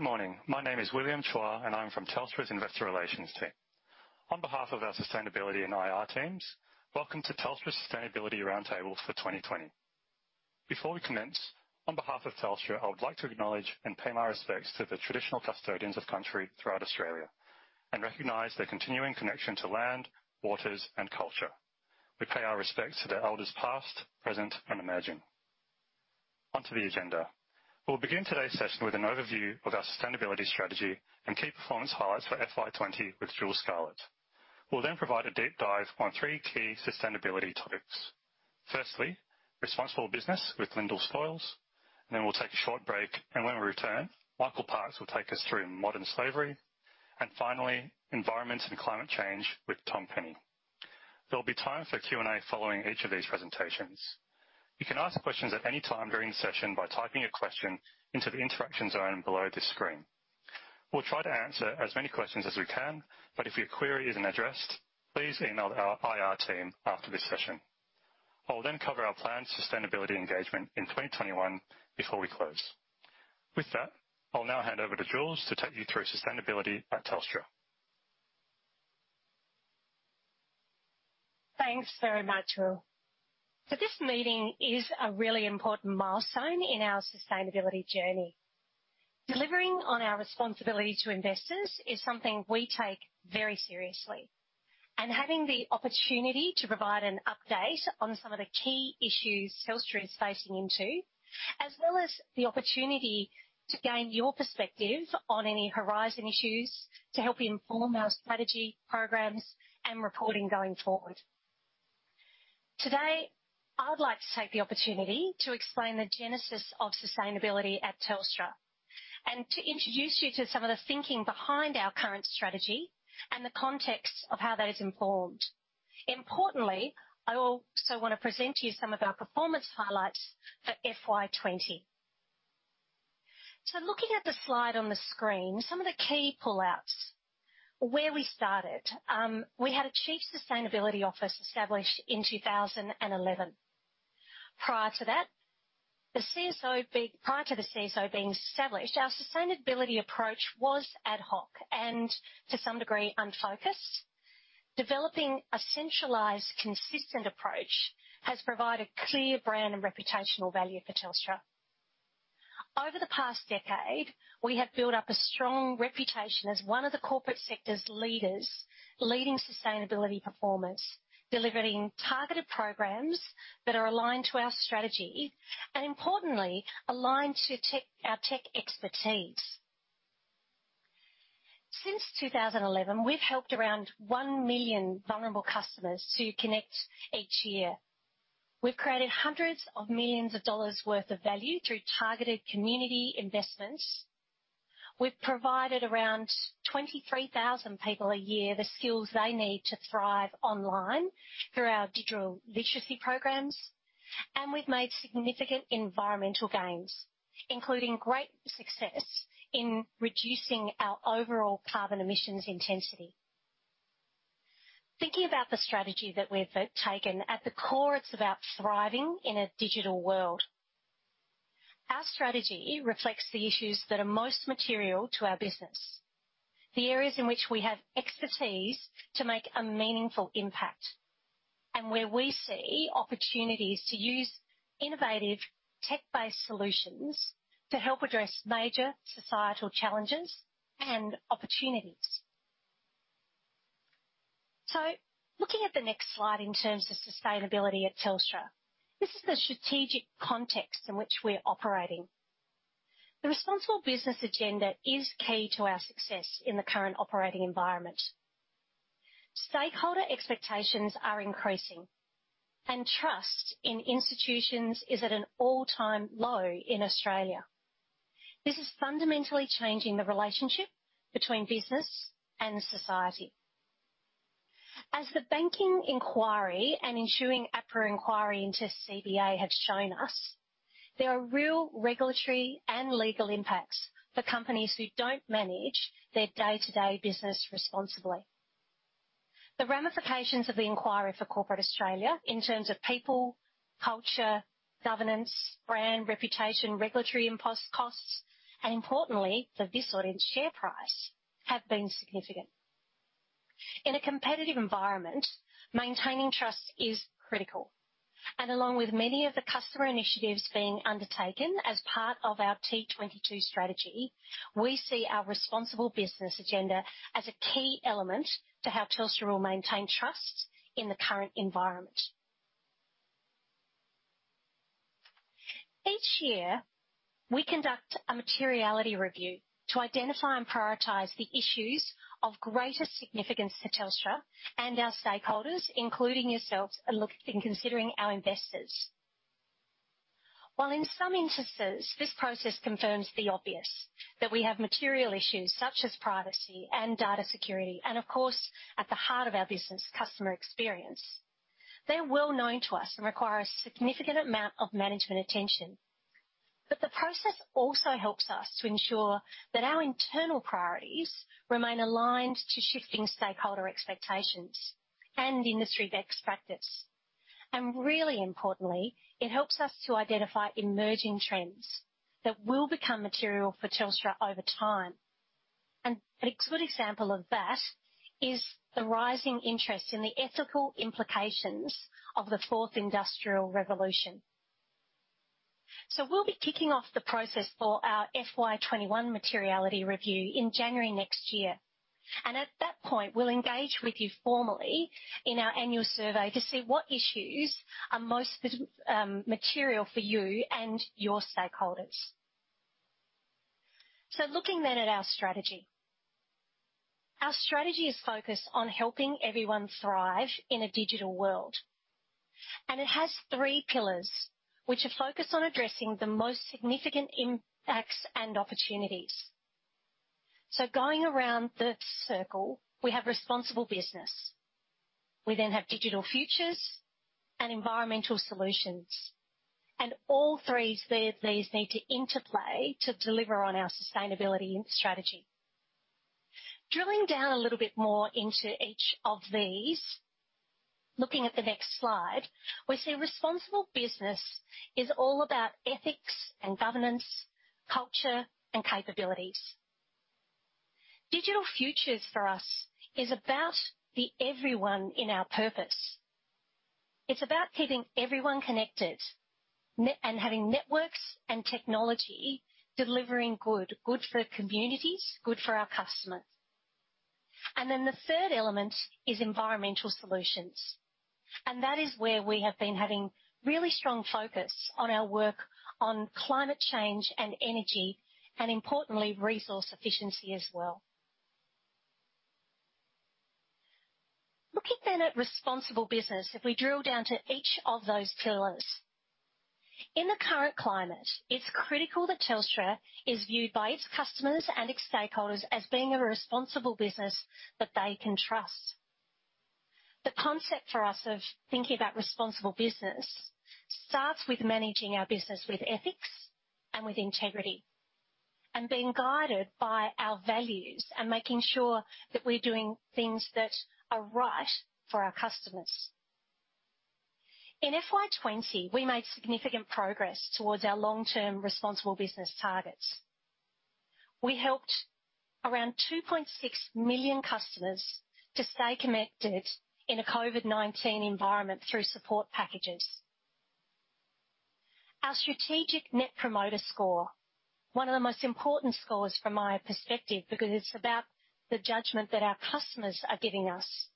Good morning. My name is William Choi, and I'm from Telstra's Investor Relations team. On behalf of our sustainability and IR teams, welcome to Telstra's Sustainability Roundtable for 2020. Before we commence, on behalf of Telstra, I would like to acknowledge and pay my respects to the traditional custodians of country throughout Australia and recognize their continuing connection to land, waters, and culture. We pay our respects to their elders past, present, and emerging. Onto the agenda. We'll begin today's session with an overview of our sustainability strategy and key performance highlights for FY2020 with Jules Scarlett. We'll then provide a deep dive on three key sustainability topics. Firstly, responsible business with Lyndall Stoyles, and then we'll take a short break, and when we return, Michael Park will take us through modern slavery. And finally, environment and climate change with Tom Penny. There'll be time for Q&A following each of these presentations. You can ask questions at any time during the session by typing a question into the interaction zone below this screen. We'll try to answer as many questions as we can, but if your query isn't addressed, please email our IR team after this session. I'll then cover our planned sustainability engagement in 2021 before we close. With that, I'll now hand over to Jules to take you through sustainability at Telstra. Thanks very much, Will. So this meeting is a really important milestone in our sustainability journey. Delivering on our responsibility to investors is something we take very seriously, and having the opportunity to provide an update on some of the key issues Telstra is facing into, as well as the opportunity to gain your perspective on any horizon issues to help inform our strategy, programs, and reporting going forward. Today, I'd like to take the opportunity to explain the genesis of sustainability at Telstra and to introduce you to some of the thinking behind our current strategy and the context of how that is informed. Importantly, I also want to present to you some of our performance highlights for FY2020. So looking at the slide on the screen, some of the key pullouts. Where we started, we had a Chief Sustainability Officer established in 2011. Prior to that, prior to the CSO being established, our sustainability approach was ad hoc and, to some degree, unfocused. Developing a centralized, consistent approach has provided clear brand and reputational value for Telstra. Over the past decade, we have built up a strong reputation as one of the corporate sector's leaders, leading sustainability performance, delivering targeted programs that are aligned to our strategy and, importantly, aligned to our tech expertise. Since 2011, we've helped around 1 million vulnerable customers to connect each year. We've created hundreds of millions of AUD worth of value through targeted community investments. We've provided around 23,000 people a year the skills they need to thrive online through our digital literacy programs, and we've made significant environmental gains, including great success in reducing our overall carbon emissions intensity. Thinking about the strategy that we've taken, at the core, it's about thriving in a digital world. Our strategy reflects the issues that are most material to our business, the areas in which we have expertise to make a meaningful impact, and where we see opportunities to use innovative, tech-based solutions to help address major societal challenges and opportunities. So looking at the next slide in terms of sustainability at Telstra, this is the strategic context in which we're operating. The responsible business agenda is key to our success in the current operating environment. Stakeholder expectations are increasing, and trust in institutions is at an all-time low in Australia. This is fundamentally changing the relationship between business and society. As the banking inquiry and ongoing APRA inquiry into CBA have shown us, there are real regulatory and legal impacts for companies who don't manage their day-to-day business responsibly. The ramifications of the inquiry for corporate Australia in terms of people, culture, governance, brand, reputation, regulatory imposed costs, and importantly, the VIS audience share price have been significant. In a competitive environment, maintaining trust is critical. Along with many of the customer initiatives being undertaken as part of our T22 strategy, we see our responsible business agenda as a key element to how Telstra will maintain trust in the current environment. Each year, we conduct a materiality review to identify and prioritize the issues of greater significance to Telstra and our stakeholders, including yourselves, and look in considering our investors. While in some instances, this process confirms the obvious, that we have material issues such as privacy and data security and, of course, at the heart of our business, customer experience. They're well known to us and require a significant amount of management attention. But the process also helps us to ensure that our internal priorities remain aligned to shifting stakeholder expectations and industry best practice. And really importantly, it helps us to identify emerging trends that will become material for Telstra over time. And a good example of that is the rising interest in the ethical implications of the Fourth Industrial Revolution. So we'll be kicking off the process for our FY2021 materiality review in January next year. And at that point, we'll engage with you formally in our annual survey to see what issues are most material for you and your stakeholders. So looking then at our strategy. Our strategy is focused on helping everyone thrive in a digital world. And it has three pillars which are focused on addressing the most significant impacts and opportunities. So going around the circle, we have responsible business. We then have digital futures and environmental solutions. All three of these need to interplay to deliver on our sustainability strategy. Drilling down a little bit more into each of these, looking at the next slide, we see responsible business is all about ethics and governance, culture, and capabilities. Digital futures for us is about the everyone in our purpose. It's about keeping everyone connected and having networks and technology delivering good, good for communities, good for our customers. Then the third element is environmental solutions. That is where we have been having really strong focus on our work on climate change and energy and, importantly, resource efficiency as well. Looking then at responsible business, if we drill down to each of those pillars. In the current climate, it's critical that Telstra is viewed by its customers and its stakeholders as being a responsible business that they can trust. The concept for us of thinking about responsible business starts with managing our business with ethics and with integrity and being guided by our values and making sure that we're doing things that are right for our customers. In FY2020, we made significant progress towards our long-term responsible business targets. We helped around 2.6 million customers to stay connected in a COVID-19 environment through support packages. Our Strategic Net Promoter Score, one of the most important scores from my perspective because it's about the judgment that our customers are giving us,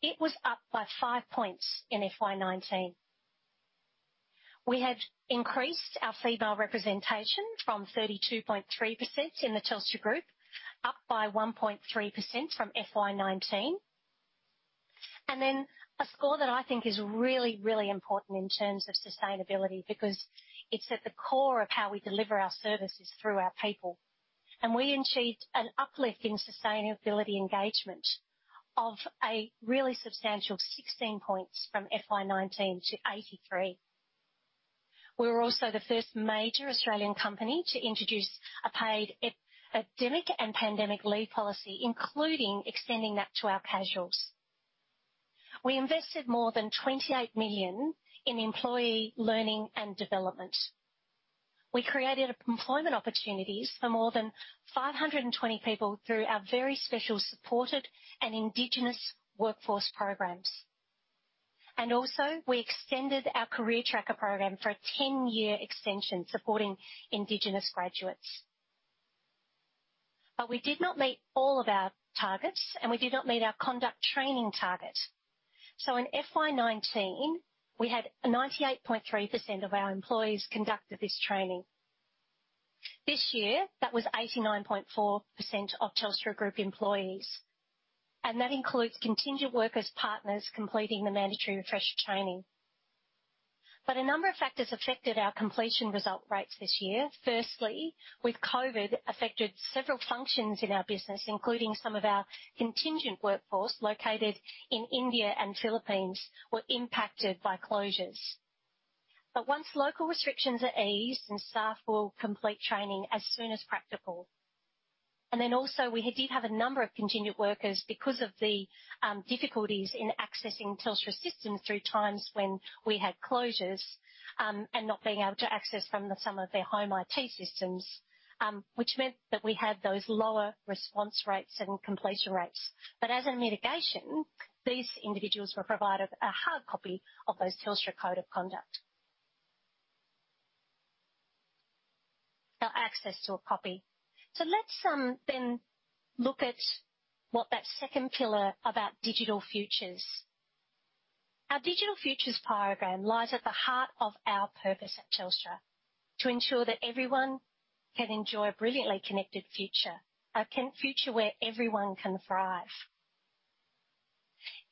it was up by 5 points in FY2019. We had increased our female representation from 32.3% in the Telstra Group, up by 1.3% from FY2019. Then a score that I think is really, really important in terms of sustainability because it's at the core of how we deliver our services through our people. We achieved an uplift in sustainability engagement of a really substantial 16 points from FY2019 to 83%. We were also the first major Australian company to introduce a paid epidemic and pandemic leave policy, including extending that to our casuals. We invested more than 28 million in employee learning and development. We created employment opportunities for more than 520 people through our very special supported and Indigenous workforce programs. We also extended our career tracker program for a 10-year extension supporting Indigenous graduates. But we did not meet all of our targets, and we did not meet our conduct training target. So in FY2019, we had 98.3% of our employees conducted this training. This year, that was 89.4% of Telstra Group employees. And that includes continued workers completing the mandatory refresher training. But a number of factors affected our completion result rates this year. Firstly, with COVID affected several functions in our business, including some of our contingent workforce located in India and Philippines were impacted by closures. But once local restrictions are eased and staff will complete training as soon as practical. And then also, we had did have a number of contingent workers because of the difficulties in accessing Telstra systems through times when we had closures, and not being able to access from some of their home IT systems, which meant that we had those lower response rates and completion rates. But as a mitigation, these individuals were provided a hard copy of those Telstra code of conduct. no, access to a copy. So let's then look at what that second pillar about digital futures. Our digital futures program lies at the heart of our purpose at Telstra, to ensure that everyone can enjoy a brilliantly connected future, a connected future where everyone can thrive.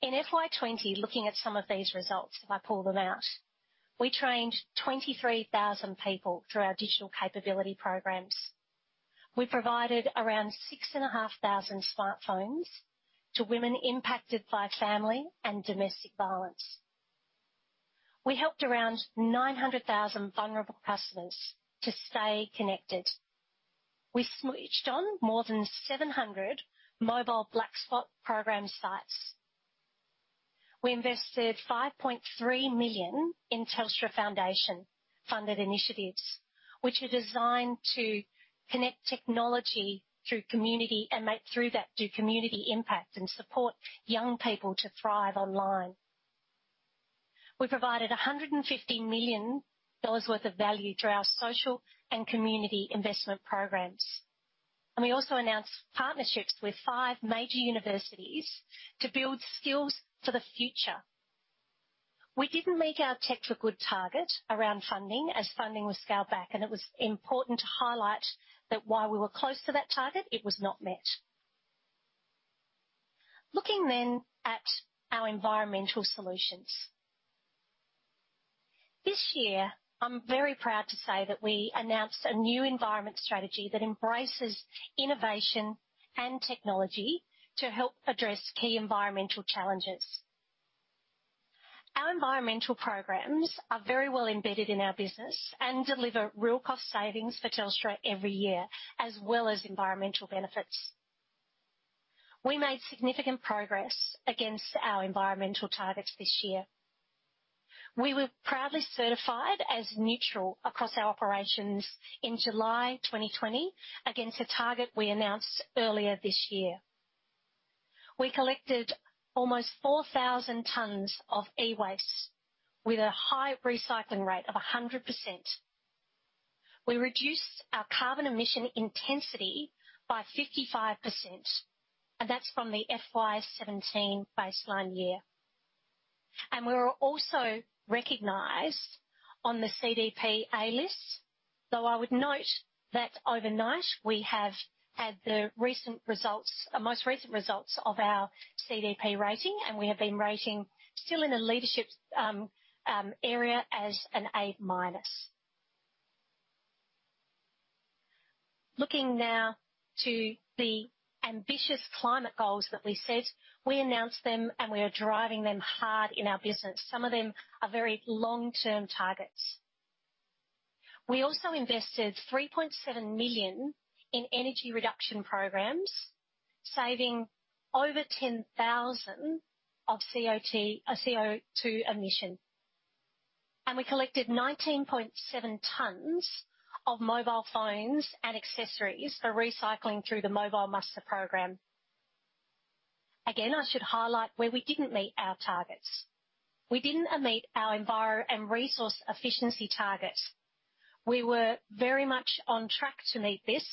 In FY2020, looking at some of these results, if I pull them out, we trained 23,000 people through our digital capability programs. We provided around 6,500 smartphones to women impacted by family and domestic violence. We helped around 900,000 vulnerable customers to stay connected. We switched on more than 700 Mobile Black Spot Program sites. We invested 5.3 million in Telstra Foundation-funded initiatives, which are designed to connect technology through community and make through that do community impact and support young people to thrive online. We provided 150 million dollars worth of value through our social and community investment programs. We also announced partnerships with five major universities to build skills for the future. We didn't make our tech-for-good target around funding as funding was scaled back, and it was important to highlight that while we were close to that target, it was not met. Looking then at our environmental solutions. This year, I'm very proud to say that we announced a new environment strategy that embraces innovation and technology to help address key environmental challenges. Our environmental programs are very well embedded in our business and deliver real cost savings for Telstra every year, as well as environmental benefits. We made significant progress against our environmental targets this year. We were proudly certified as neutral across our operations in July 2020 against a target we announced earlier this year. We collected almost 4,000 tons of e-waste with a high recycling rate of 100%. We reduced our carbon emission intensity by 55%, and that's from the FY2017 baseline year. We were also recognized on the CDP A-list, though I would note that overnight we have had the recent results, most recent results of our CDP rating, and we have been rating still in a leadership area as an A-minus. Looking now to the ambitious climate goals that we set, we announced them, and we are driving them hard in our business. Some of them are very long-term targets. We also invested 3.7 million in energy reduction programs, saving over 10,000 t of CO2 emissions. We collected 19.7 tons of mobile phones and accessories for recycling through the MobileMuster program. Again, I should highlight where we didn't meet our targets. We didn't meet our environmental and resource efficiency targets. We were very much on track to meet this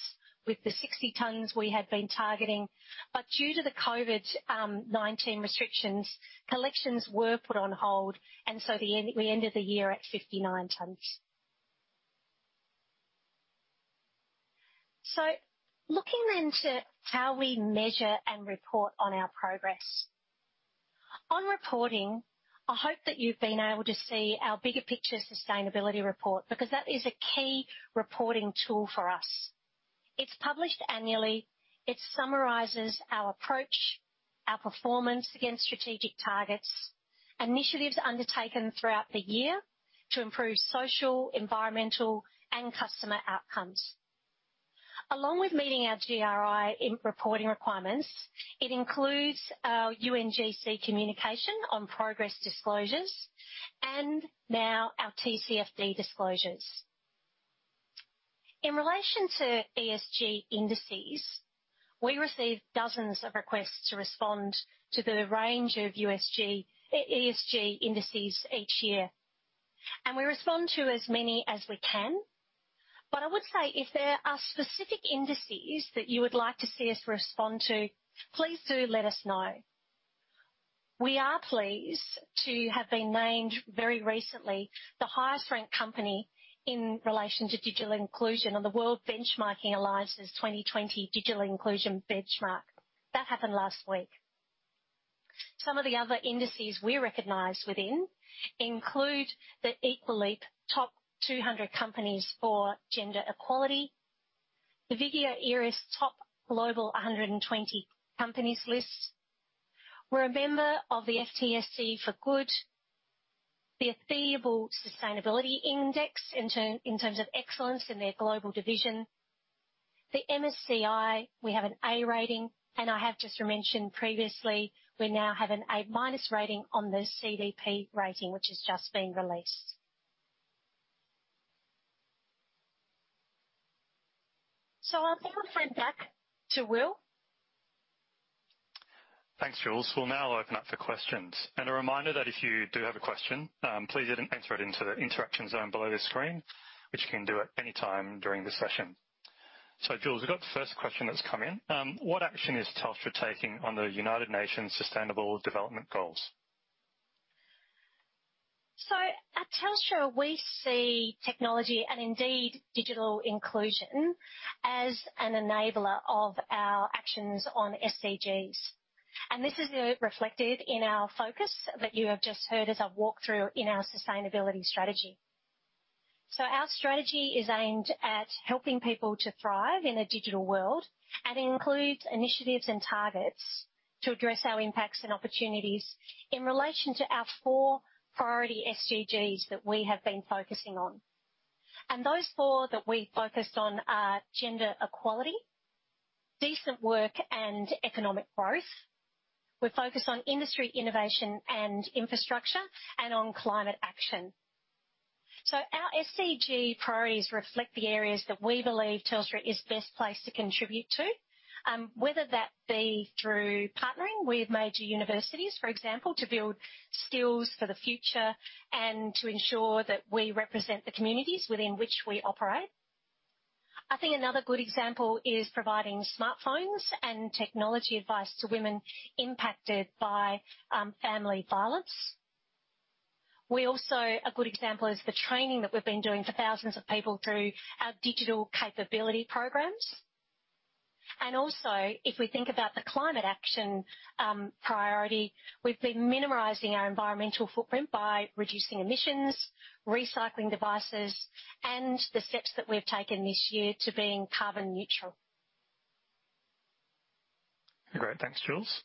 with the 60 tons we had been targeting, but due to the COVID-19 restrictions, collections were put on hold, and so in the end we ended the year at 59 tons. So looking then to how we measure and report on our progress. On reporting, I hope that you've been able to see our Bigger Picture Sustainability Report because that is a key reporting tool for us. It's published annually. It summarizes our approach, our performance against strategic targets, initiatives undertaken throughout the year to improve social, environmental, and customer outcomes. Along with meeting our GRI reporting requirements, it includes UNGC communication on progress disclosures and now our TCFD disclosures. In relation to ESG indices, we receive dozens of requests to respond to the range of ESG indices each year. We respond to as many as we can. But I would say if there are specific indices that you would like to see us respond to, please do let us know. We are pleased to have been named very recently the highest-ranked company in relation to digital inclusion on the World Benchmarking Alliance's 2020 Digital Inclusion Benchmark. That happened last week. Some of the other indices we're recognized within include the Equileap Top 200 Companies for Gender Equality, the Vigeo Eiris Top Global 120 Companies list. We're a member of the FTSE4Good, the Ethibel Sustainability Index in terms of excellence in their global division. The MSCI, we have an A rating. And I have just mentioned previously, we now have an A-minus rating on the CDP rating which has just been released. So I'll hand back to Will. Thanks, Jules. We'll now open up for questions. A reminder that if you do have a question, please enter it into the interaction zone below this screen, which you can do at any time during the session. Jules, we've got the first question that's come in. What action is Telstra taking on the United Nations Sustainable Development Goals? So at Telstra, we see technology and indeed digital inclusion as an enabler of our actions on SDGs. And this is reflected in our focus that you have just heard as I walk through in our sustainability strategy. So our strategy is aimed at helping people to thrive in a digital world, and it includes initiatives and targets to address our impacts and opportunities in relation to our four priority SDGs that we have been focusing on. And those four that we focused on are gender equality, decent work, and economic growth. We focus on industry innovation and infrastructure and on climate action. So our SDG priorities reflect the areas that we believe Telstra is best placed to contribute to, whether that be through partnering with major universities, for example, to build skills for the future and to ensure that we represent the communities within which we operate. I think another good example is providing smartphones and technology advice to women impacted by family violence. We also a good example is the training that we've been doing for thousands of people through our digital capability programs. And also, if we think about the climate action priority, we've been minimizing our environmental footprint by reducing emissions, recycling devices, and the steps that we've taken this year to being carbon neutral. Great. Thanks, Jules.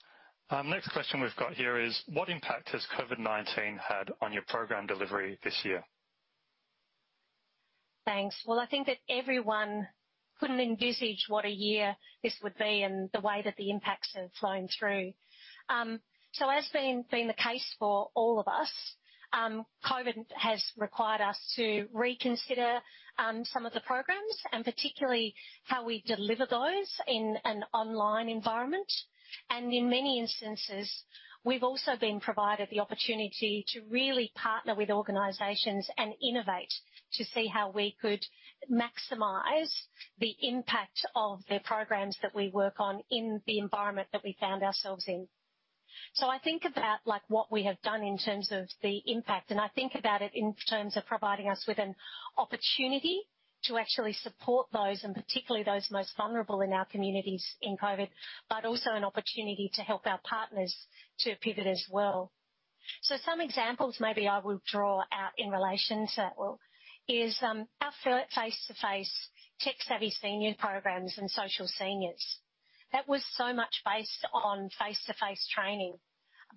Next question we've got here is, what impact has COVID-19 had on your program delivery this year? Thanks. Well, I think that everyone couldn't envisage what a year this would be and the way that the impacts have flown through. So, as has been the case for all of us, COVID has required us to reconsider some of the programs and particularly how we deliver those in an online environment. And in many instances, we've also been provided the opportunity to really partner with organizations and innovate to see how we could maximize the impact of their programs that we work on in the environment that we found ourselves in. So I think about, like, what we have done in terms of the impact, and I think about it in terms of providing us with an opportunity to actually support those, and particularly those most vulnerable in our communities in COVID, but also an opportunity to help our partners to pivot as well. So some examples maybe I will draw out in relation to, well, our face-to-face Tech Savvy Seniors programs and social seniors. That was so much based on face-to-face training.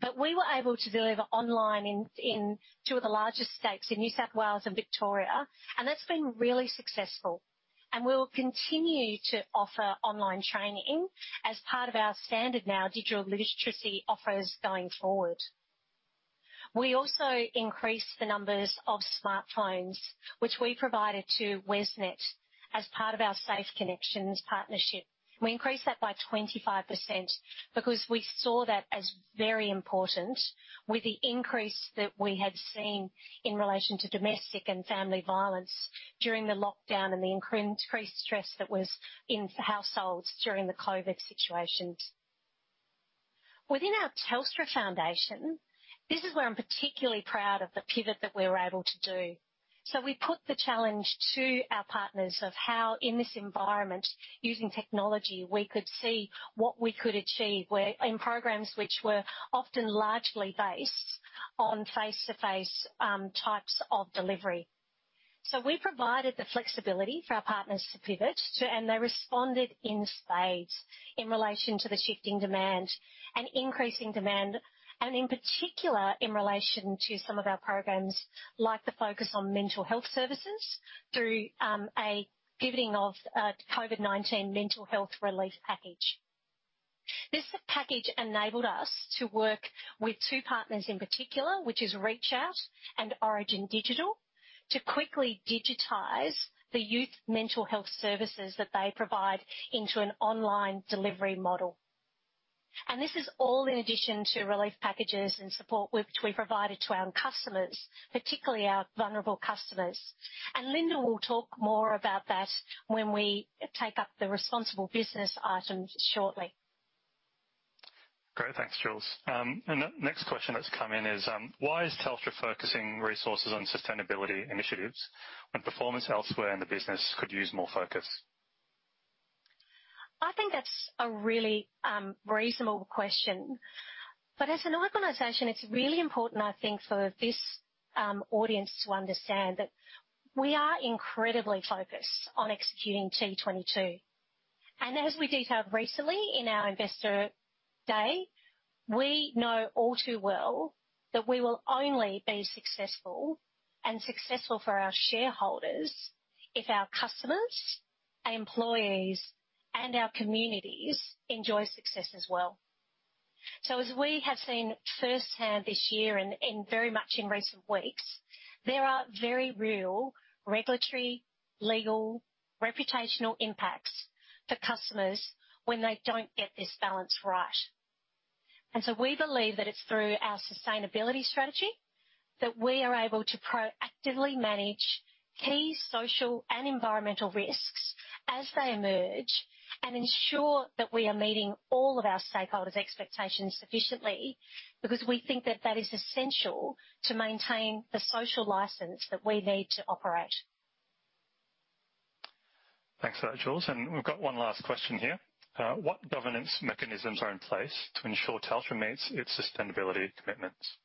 But we were able to deliver online in two of the largest states, New South Wales and Victoria, and that's been really successful. And we'll continue to offer online training as part of our standard now digital literacy offers going forward. We also increased the numbers of smartphones which we provided to WESNET as part of our Safe Connections partnership. We increased that by 25% because we saw that as very important with the increase that we had seen in relation to domestic and family violence during the lockdown and the increased stress that was in households during the COVID situations. Within our Telstra Foundation, this is where I'm particularly proud of the pivot that we were able to do. So we put the challenge to our partners of how, in this environment using technology, we could see what we could achieve where in programs which were often largely based on face-to-face types of delivery. So we provided the flexibility for our partners to pivot to and they responded in spades in relation to the shifting demand and increasing demand, and in particular in relation to some of our programs like the focus on mental health services through a pivoting of a COVID-19 mental health relief package. This package enabled us to work with two partners in particular, which is ReachOut and Orygen Digital, to quickly digitize the youth mental health services that they provide into an online delivery model. This is all in addition to relief packages and support which we provided to our customers, particularly our vulnerable customers. Linda will talk more about that when we take up the responsible business items shortly. Great. Thanks, Jules. The next question that's come in is, why is Telstra focusing resources on sustainability initiatives when performance elsewhere in the business could use more focus? I think that's a really reasonable question. But as an organization, it's really important, I think, for this audience to understand that we are incredibly focused on executing T22. And as we detailed recently in our investor day, we know all too well that we will only be successful and successful for our shareholders if our customers, employees, and our communities enjoy success as well. So as we have seen firsthand this year and very much in recent weeks, there are very real regulatory, legal, reputational impacts for customers when they don't get this balance right. We believe that it's through our sustainability strategy that we are able to proactively manage key social and environmental risks as they emerge and ensure that we are meeting all of our stakeholders' expectations sufficiently because we think that that is essential to maintain the social license that we need to operate. Thanks for that, Jules. We've got one last question here. What governance mechanisms are in place to ensure Telstra meets its sustainability commitments?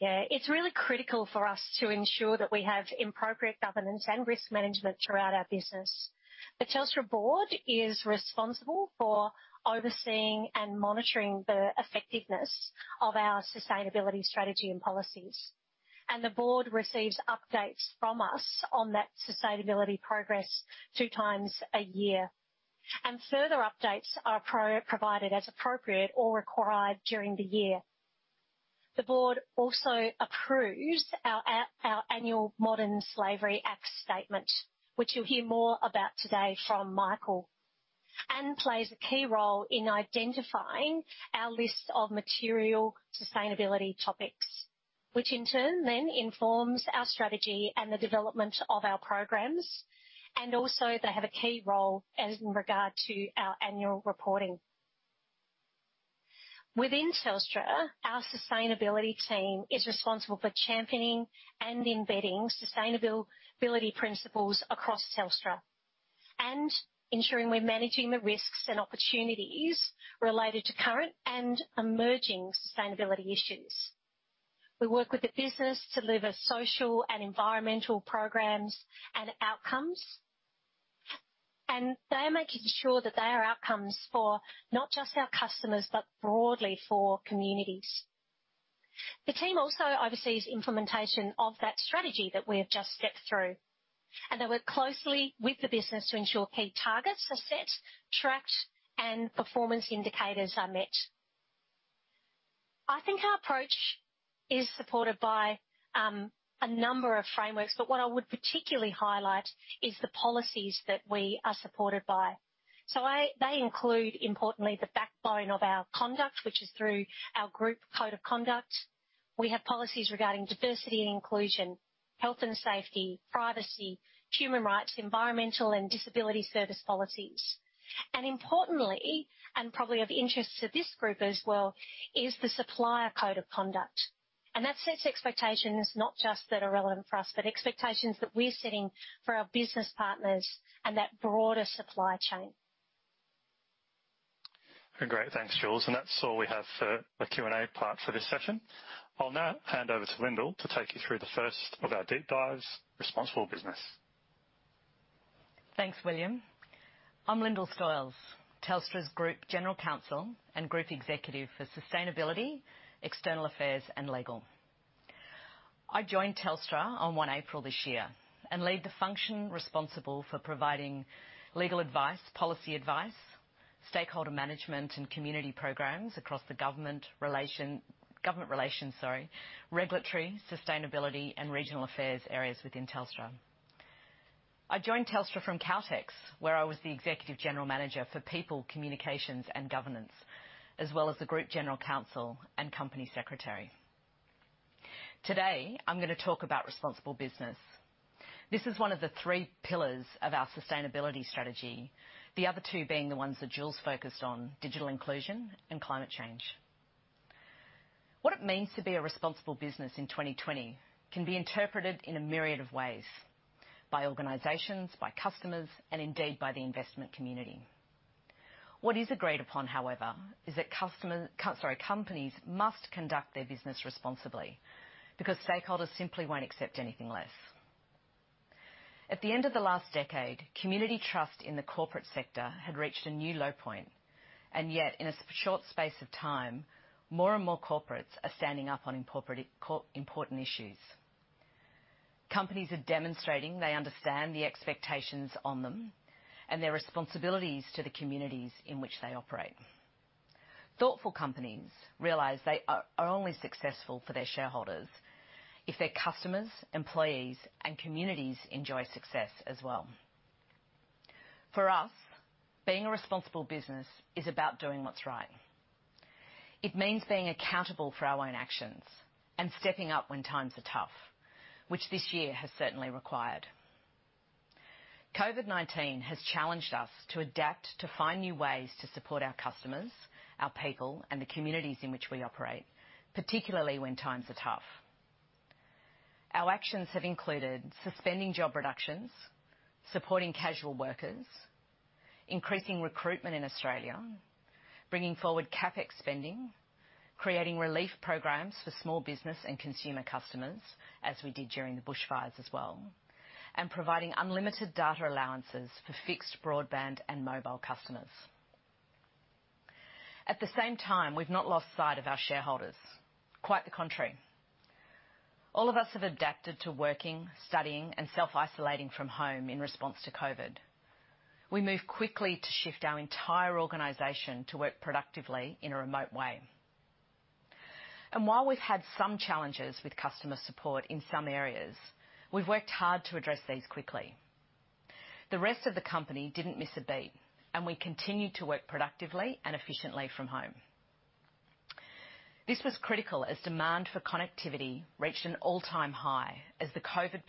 Yeah. It's really critical for us to ensure that we have appropriate governance and risk management throughout our business. The Telstra board is responsible for overseeing and monitoring the effectiveness of our sustainability strategy and policies. The board receives updates from us on that sustainability progress two times a year. Further updates are provided as appropriate or required during the year. The board also approves our annual Modern Slavery Act statement, which you'll hear more about today from Michael, and plays a key role in identifying our list of material sustainability topics, which in turn then informs our strategy and the development of our programs. They have a key role in regard to our annual reporting. Within Telstra, our sustainability team is responsible for championing and embedding sustainability principles across Telstra and ensuring we're managing the risks and opportunities related to current and emerging sustainability issues. We work with the business to deliver social and environmental programs and outcomes, and they are making sure that they are outcomes for not just our customers but broadly for communities. The team also oversees implementation of that strategy that we have just stepped through. They work closely with the business to ensure key targets are set, tracked, and performance indicators are met. I think our approach is supported by a number of frameworks, but what I would particularly highlight is the policies that we are supported by. So they include, importantly, the backbone of our conduct, which is through our group code of conduct. We have policies regarding diversity and inclusion, health and safety, privacy, human rights, environmental, and disability service policies. Importantly, and probably of interest to this group as well, is the Supplier Code of Conduct. That sets expectations not just that are relevant for us but expectations that we're setting for our business partners and that broader supply chain. Great. Thanks, Jules. That's all we have for the Q&A part for this session. I'll now hand over to Linda to take you through the first of our deep dives, Responsible Business. Thanks, William. I'm Lyndall Stoyles, Telstra's Group General Counsel and Group Executive for Sustainability, External Affairs, and Legal. I joined Telstra on 1 April this year and lead the function responsible for providing legal advice, policy advice, stakeholder management, and community programs across the government relations, sorry, regulatory, sustainability, and regional affairs areas within Telstra. I joined Telstra from Caltex where I was the executive general manager for people, communications, and governance as well as the group general counsel and company secretary. Today, I'm gonna talk about responsible business. This is one of the three pillars of our sustainability strategy, the other two being the ones that Jules focused on, digital inclusion and climate change. What it means to be a responsible business in 2020 can be interpreted in a myriad of ways by organizations, by customers, and indeed by the investment community. What is agreed upon, however, is that companies must conduct their business responsibly because stakeholders simply won't accept anything less. At the end of the last decade, community trust in the corporate sector had reached a new low point. And yet, in a short space of time, more and more corporates are standing up on important issues. Companies are demonstrating they understand the expectations on them and their responsibilities to the communities in which they operate. Thoughtful companies realize they are only successful for their shareholders if their customers, employees, and communities enjoy success as well. For us, being a responsible business is about doing what's right. It means being accountable for our own actions and stepping up when times are tough, which this year has certainly required. COVID-19 has challenged us to adapt to find new ways to support our customers, our people, and the communities in which we operate, particularly when times are tough. Our actions have included suspending job reductions, supporting casual workers, increasing recruitment in Australia, bringing forward CapEx spending, creating relief programs for small business and consumer customers as we did during the bushfires as well, and providing unlimited data allowances for fixed, broadband, and mobile customers. At the same time, we've not lost sight of our shareholders. Quite the contrary. All of us have adapted to working, studying, and self-isolating from home in response to COVID. We move quickly to shift our entire organization to work productively in a remote way. And while we've had some challenges with customer support in some areas, we've worked hard to address these quickly. The rest of the company didn't miss a beat, and we continued to work productively and efficiently from home. This was critical as demand for connectivity reached an all-time high as the COVID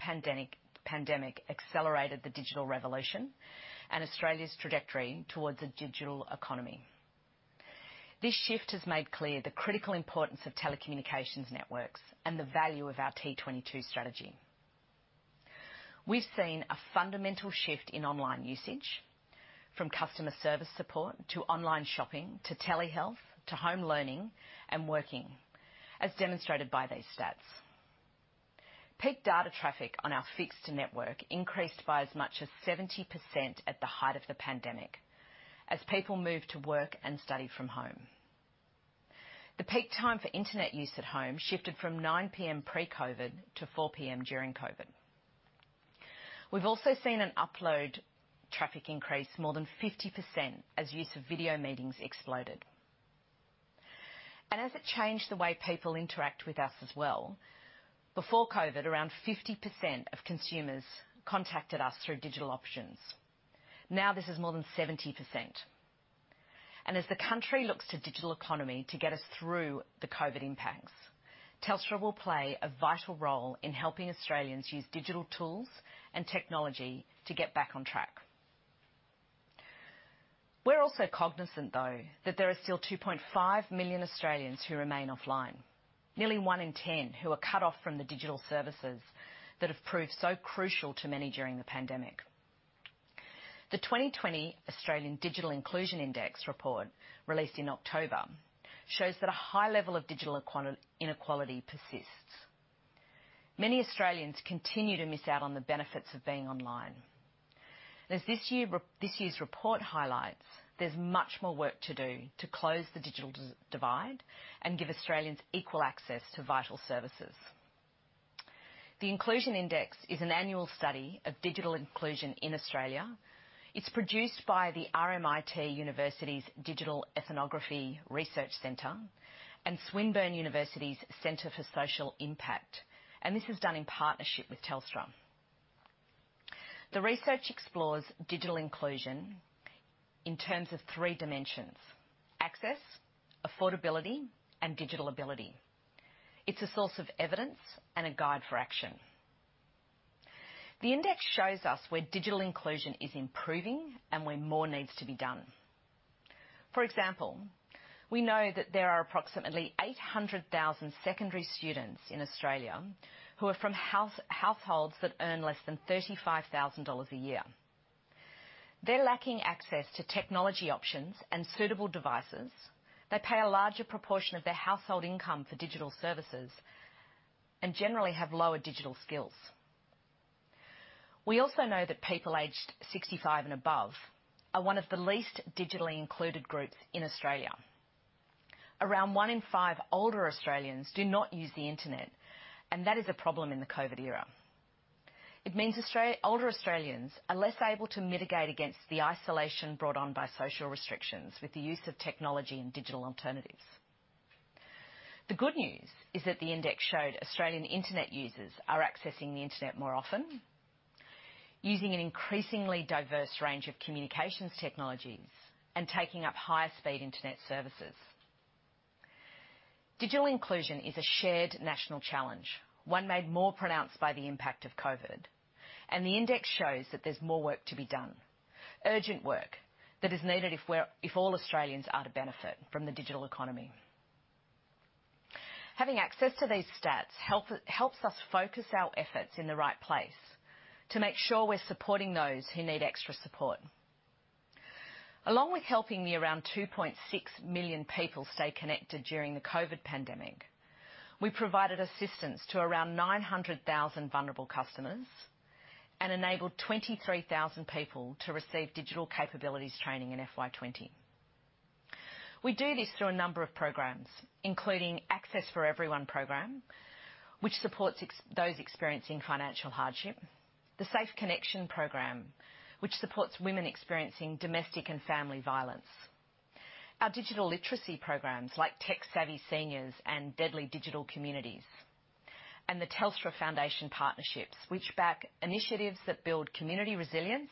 pandemic accelerated the digital revolution and Australia's trajectory towards a digital economy. This shift has made clear the critical importance of telecommunications networks and the value of our T22 strategy. We've seen a fundamental shift in online usage from customer service support to online shopping to telehealth to home learning and working, as demonstrated by these stats. Peak data traffic on our fixed network increased by as much as 70% at the height of the pandemic as people moved to work and study from home. The peak time for internet use at home shifted from 9:00 P.M. pre-COVID to 4:00 P.M. during COVID. We've also seen an upload traffic increase more than 50% as use of video meetings exploded. As it changed the way people interact with us as well, before COVID, around 50% of consumers contacted us through digital options. Now, this is more than 70%. As the country looks to digital economy to get us through the COVID impacts, Telstra will play a vital role in helping Australians use digital tools and technology to get back on track. We're also cognizant, though, that there are still 2.5 million Australians who remain offline, nearly 1 in 10 who are cut off from the digital services that have proved so crucial to many during the pandemic. The 2020 Australian Digital Inclusion Index report released in October shows that a high level of digital inequality persists. Many Australians continue to miss out on the benefits of being online. As this year's report highlights, there's much more work to do to close the digital divide and give Australians equal access to vital services. The Inclusion Index is an annual study of digital inclusion in Australia. It's produced by the RMIT University's Digital Ethnography Research Centre and Swinburne University's Centre for Social Impact. This is done in partnership with Telstra. The research explores digital inclusion in terms of three dimensions: access, affordability, and digital ability. It's a source of evidence and a guide for action. The index shows us where digital inclusion is improving and where more needs to be done. For example, we know that there are approximately 800,000 secondary students in Australia who are from households that earn less than 35,000 dollars a year. They're lacking access to technology options and suitable devices. They pay a larger proportion of their household income for digital services and generally have lower digital skills. We also know that people aged 65 and above are one of the least digitally included groups in Australia. Around 1 in 5 older Australians do not use the internet, and that is a problem in the COVID era. It means older Australians are less able to mitigate against the isolation brought on by social restrictions with the use of technology and digital alternatives. The good news is that the index showed Australian internet users are accessing the internet more often, using an increasingly diverse range of communications technologies, and taking up higher-speed internet services. Digital inclusion is a shared national challenge, one made more pronounced by the impact of COVID. And the index shows that there's more work to be done, urgent work that is needed if we're all Australians are to benefit from the digital economy. Having access to these stats helps us focus our efforts in the right place to make sure we're supporting those who need extra support. Along with helping around 2.6 million people stay connected during the COVID pandemic, we provided assistance to around 900,000 vulnerable customers and enabled 23,000 people to receive digital capabilities training in FY2020. We do this through a number of programs, including Access for Everyone program, which supports those experiencing financial hardship, the Safe Connections program, which supports women experiencing domestic and family violence, our digital literacy programs like Tech Savvy Seniors and Deadly Digital Communities, and the Telstra Foundation partnerships, which back initiatives that build community resilience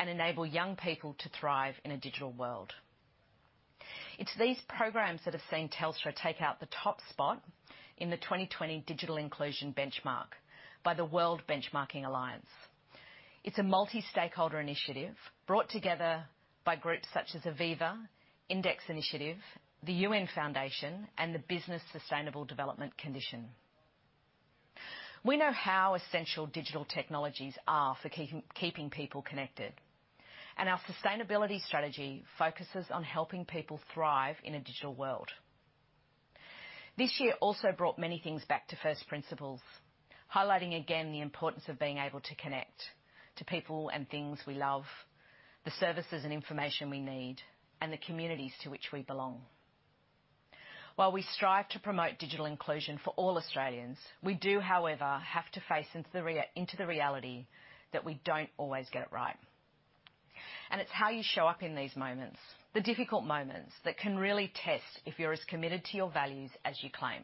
and enable young people to thrive in a digital world. It's these programs that have seen Telstra take out the top spot in the 2020 Digital Inclusion Benchmark by the World Benchmarking Alliance. It's a multi-stakeholder initiative brought together by groups such as Aviva, Index Initiative, the UN Foundation, and the Business and Sustainable Development Commission. We know how essential digital technologies are for keeping people connected, and our sustainability strategy focuses on helping people thrive in a digital world. This year also brought many things back to first principles, highlighting again the importance of being able to connect to people and things we love, the services and information we need, and the communities to which we belong. While we strive to promote digital inclusion for all Australians, we do, however, have to face into the reality that we don't always get it right. It's how you show up in these moments, the difficult moments, that can really test if you're as committed to your values as you claim.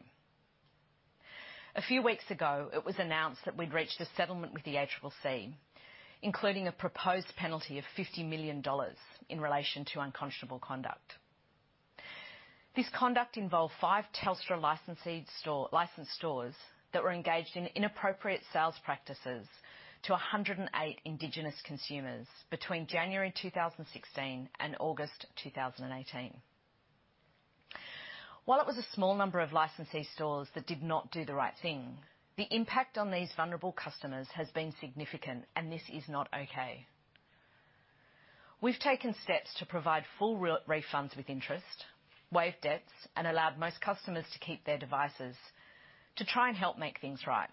A few weeks ago, it was announced that we'd reached a settlement with the ACCC, including a proposed penalty of 50 million dollars in relation to unconscionable conduct. This conduct involved five Telstra licensed stores that were engaged in inappropriate sales practices to 108 Indigenous consumers between January 2016 and August 2018. While it was a small number of licensed stores that did not do the right thing, the impact on these vulnerable customers has been significant, and this is not okay. We've taken steps to provide full refunds with interest, waive debts, and allowed most customers to keep their devices to try and help make things right.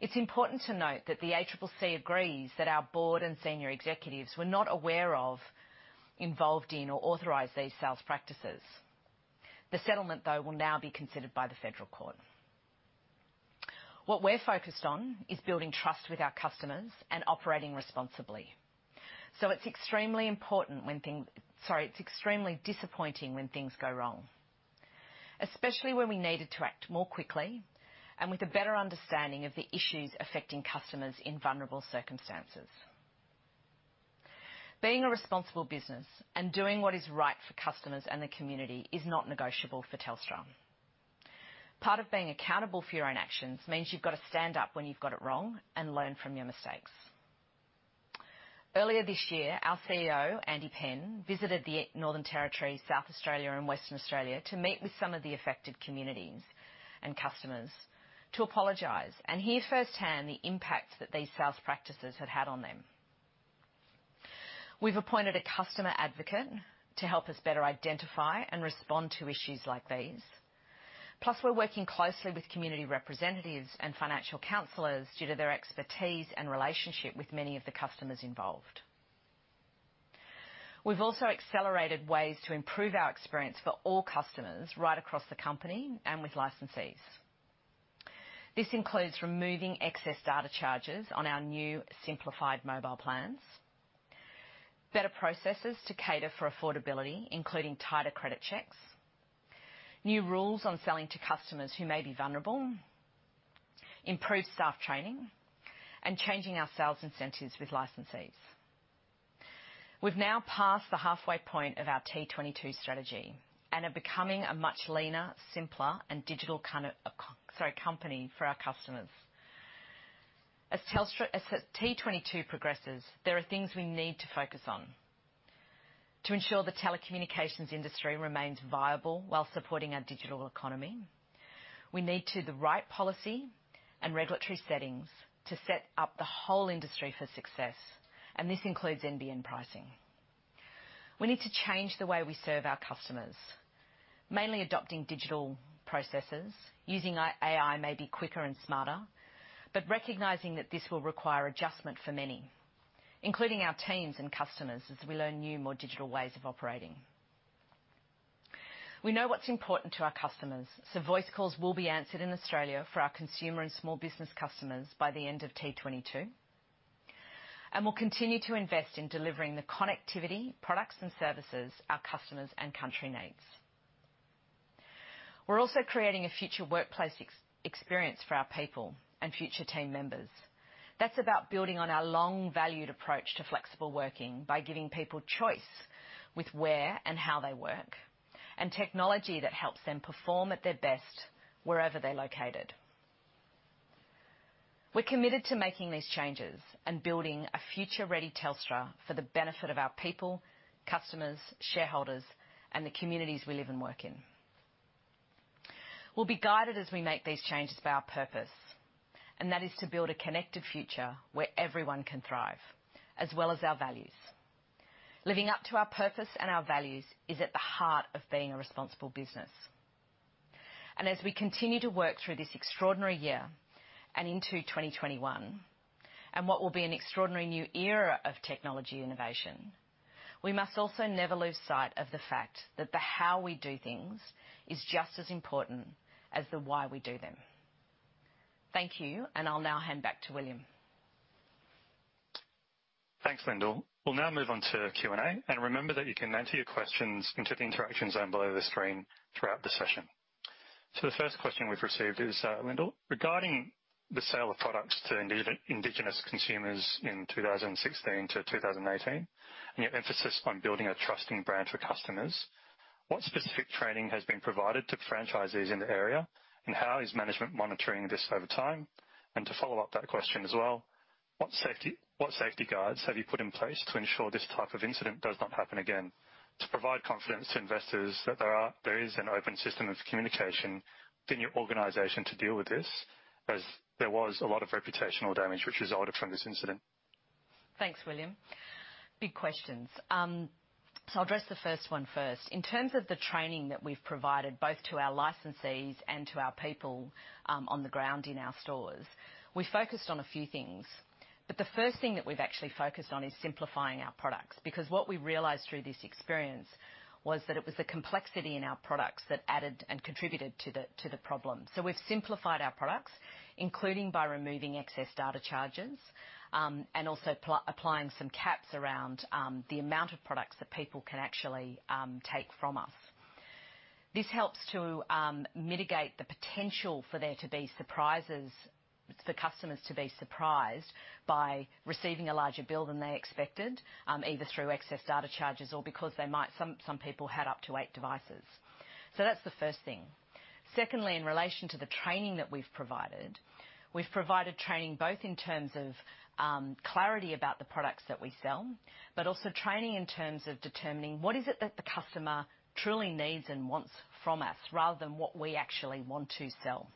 It's important to note that the ACCC agrees that our board and senior executives were not aware of, involved in, or authorised these sales practices. The settlement, though, will now be considered by the federal court. What we're focused on is building trust with our customers and operating responsibly. So it's extremely disappointing when things go wrong, especially when we needed to act more quickly and with a better understanding of the issues affecting customers in vulnerable circumstances. Being a responsible business and doing what is right for customers and the community is not negotiable for Telstra. Part of being accountable for your own actions means you've got to stand up when you've got it wrong and learn from your mistakes. Earlier this year, our CEO, Andy Penn, visited the Northern Territory, South Australia, and Western Australia to meet with some of the affected communities and customers to apologize and hear firsthand the impact that these sales practices had had on them. We've appointed a customer advocate to help us better identify and respond to issues like these. Plus, we're working closely with community representatives and financial counselors due to their expertise and relationship with many of the customers involved. We've also accelerated ways to improve our experience for all customers right across the company and with licensees. This includes removing excess data charges on our new simplified mobile plans, better processes to cater for affordability, including tighter credit checks, new rules on selling to customers who may be vulnerable, improved staff training, and changing our sales incentives with licensees. We've now passed the halfway point of our T22 strategy and are becoming a much leaner, simpler, and digital sorry, company for our customers. As T22 progresses, there are things we need to focus on to ensure the telecommunications industry remains viable while supporting our digital economy. We need the right policy and regulatory settings to set up the whole industry for success, and this includes NBN pricing. We need to change the way we serve our customers, mainly adopting digital processes. Using AI may be quicker and smarter, but recognizing that this will require adjustment for many, including our teams and customers, as we learn new, more digital ways of operating. We know what's important to our customers, so voice calls will be answered in Australia for our consumer and small business customers by the end of T22, and we'll continue to invest in delivering the connectivity, products, and services our customers and country needs. We're also creating a future workplace experience for our people and future team members. That's about building on our long-valued approach to flexible working by giving people choice with where and how they work and technology that helps them perform at their best wherever they're located. We're committed to making these changes and building a future-ready Telstra for the benefit of our people, customers, shareholders, and the communities we live and work in. We'll be guided as we make these changes by our purpose, and that is to build a connected future where everyone can thrive as well as our values. Living up to our purpose and our values is at the heart of being a responsible business. As we continue to work through this extraordinary year and into 2021 and what will be an extraordinary new era of technology innovation, we must also never lose sight of the fact that the how we do things is just as important as the why we do them. Thank you, and I'll now hand back to William. Thanks, Lyndall. We'll now move on to Q&A, and remember that you can enter your questions into the interaction zone below the screen throughout the session. So the first question we've received is, "Lyndall, regarding the sale of products to Indigenous consumers in 2016-2018 and your emphasis on building a trusting brand for customers, what specific training has been provided to franchisees in the area, and how is management monitoring this over time?" And to follow up that question as well, "What safeguards have you put in place to ensure this type of incident does not happen again, to provide confidence to investors that there is an open system of communication within your organization to deal with this as there was a lot of reputational damage which resulted from this incident? Thanks, William. Big questions. So I'll address the first one first. In terms of the training that we've provided both to our licensees and to our people on the ground in our stores, we focused on a few things. But the first thing that we've actually focused on is simplifying our products because what we realized through this experience was that it was the complexity in our products that added and contributed to the problem. So we've simplified our products, including by removing excess data charges and also applying some caps around the amount of products that people can actually take from us. This helps to mitigate the potential for there to be surprises for customers to be surprised by receiving a larger bill than they expected, either through excess data charges or because some people had up to eight devices. So that's the first thing. Secondly, in relation to the training that we've provided, we've provided training both in terms of clarity about the products that we sell but also training in terms of determining what is it that the customer truly needs and wants from us rather than what we actually want to sell.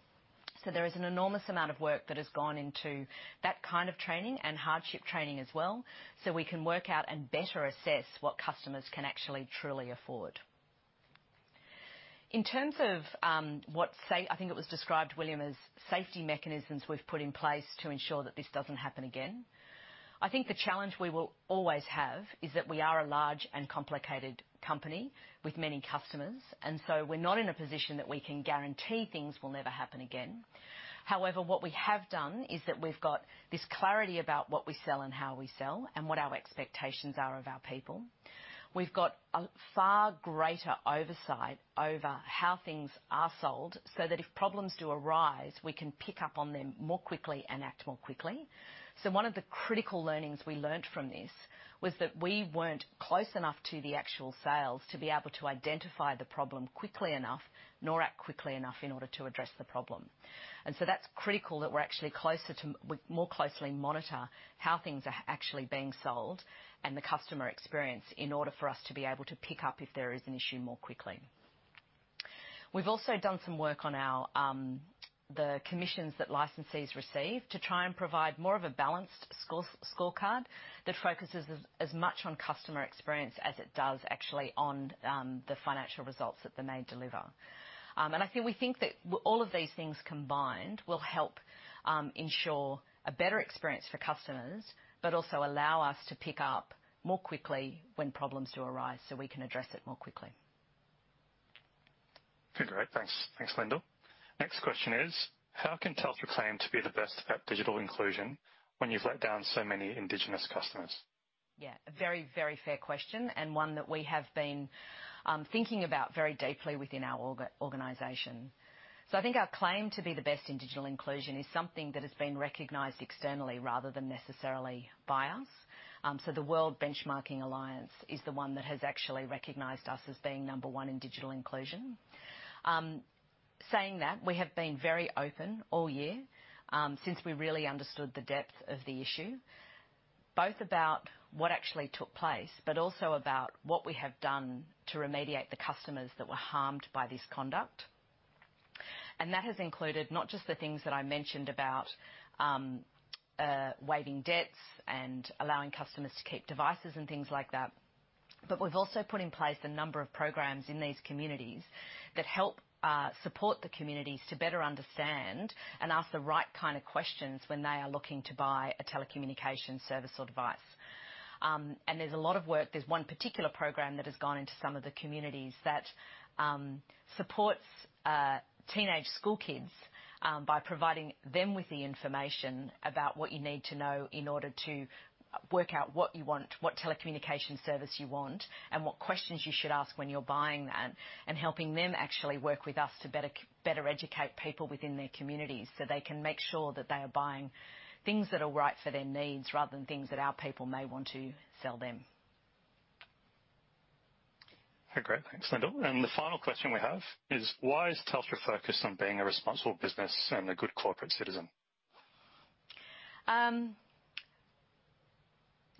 So there is an enormous amount of work that has gone into that kind of training and hardship training as well so we can work out and better assess what customers can actually truly afford. In terms of what I think it was described, William, as safety mechanisms we've put in place to ensure that this doesn't happen again, I think the challenge we will always have is that we are a large and complicated company with many customers, and so we're not in a position that we can guarantee things will never happen again. However, what we have done is that we've got this clarity about what we sell and how we sell and what our expectations are of our people. We've got a far greater oversight over how things are sold so that if problems do arise, we can pick up on them more quickly and act more quickly. So one of the critical learnings we learnt from this was that we weren't close enough to the actual sales to be able to identify the problem quickly enough nor act quickly enough in order to address the problem. And so that's critical that we're actually more closely monitor how things are actually being sold and the customer experience in order for us to be able to pick up if there is an issue more quickly. We've also done some work on the commissions that licensees receive to try and provide more of a balanced scorecard that focuses as much on customer experience as it does actually on the financial results that they may deliver. I think we think that all of these things combined will help ensure a better experience for customers but also allow us to pick up more quickly when problems do arise so we can address it more quickly. Fingers right. Thanks, Lyndall. Next question is, "How can Telstra claim to be the best at digital inclusion when you've let down so many Indigenous customers? Yeah, a very, very fair question and one that we have been thinking about very deeply within our organization. So I think our claim to be the best in digital inclusion is something that has been recognized externally rather than necessarily by us. So the World Benchmarking Alliance is the one that has actually recognized us as being number one in digital inclusion. Saying that, we have been very open all year since we really understood the depth of the issue, both about what actually took place but also about what we have done to remediate the customers that were harmed by this conduct. That has included not just the things that I mentioned about waiving debts and allowing customers to keep devices and things like that, but we've also put in place a number of programs in these communities that help support the communities to better understand and ask the right kind of questions when they are looking to buy a telecommunication service or device. There's a lot of work. There's one particular program that has gone into some of the communities that supports teenage schoolkids by providing them with the information about what you need to know in order to work out what you want, what telecommunication service you want, and what questions you should ask when you're buying that and helping them actually work with us to better educate people within their communities so they can make sure that they are buying things that are right for their needs rather than things that our people may want to sell them. Okay, great. Thanks, Lyndall. And the final question we have is, "Why is Telstra focused on being a responsible business and a good corporate citizen?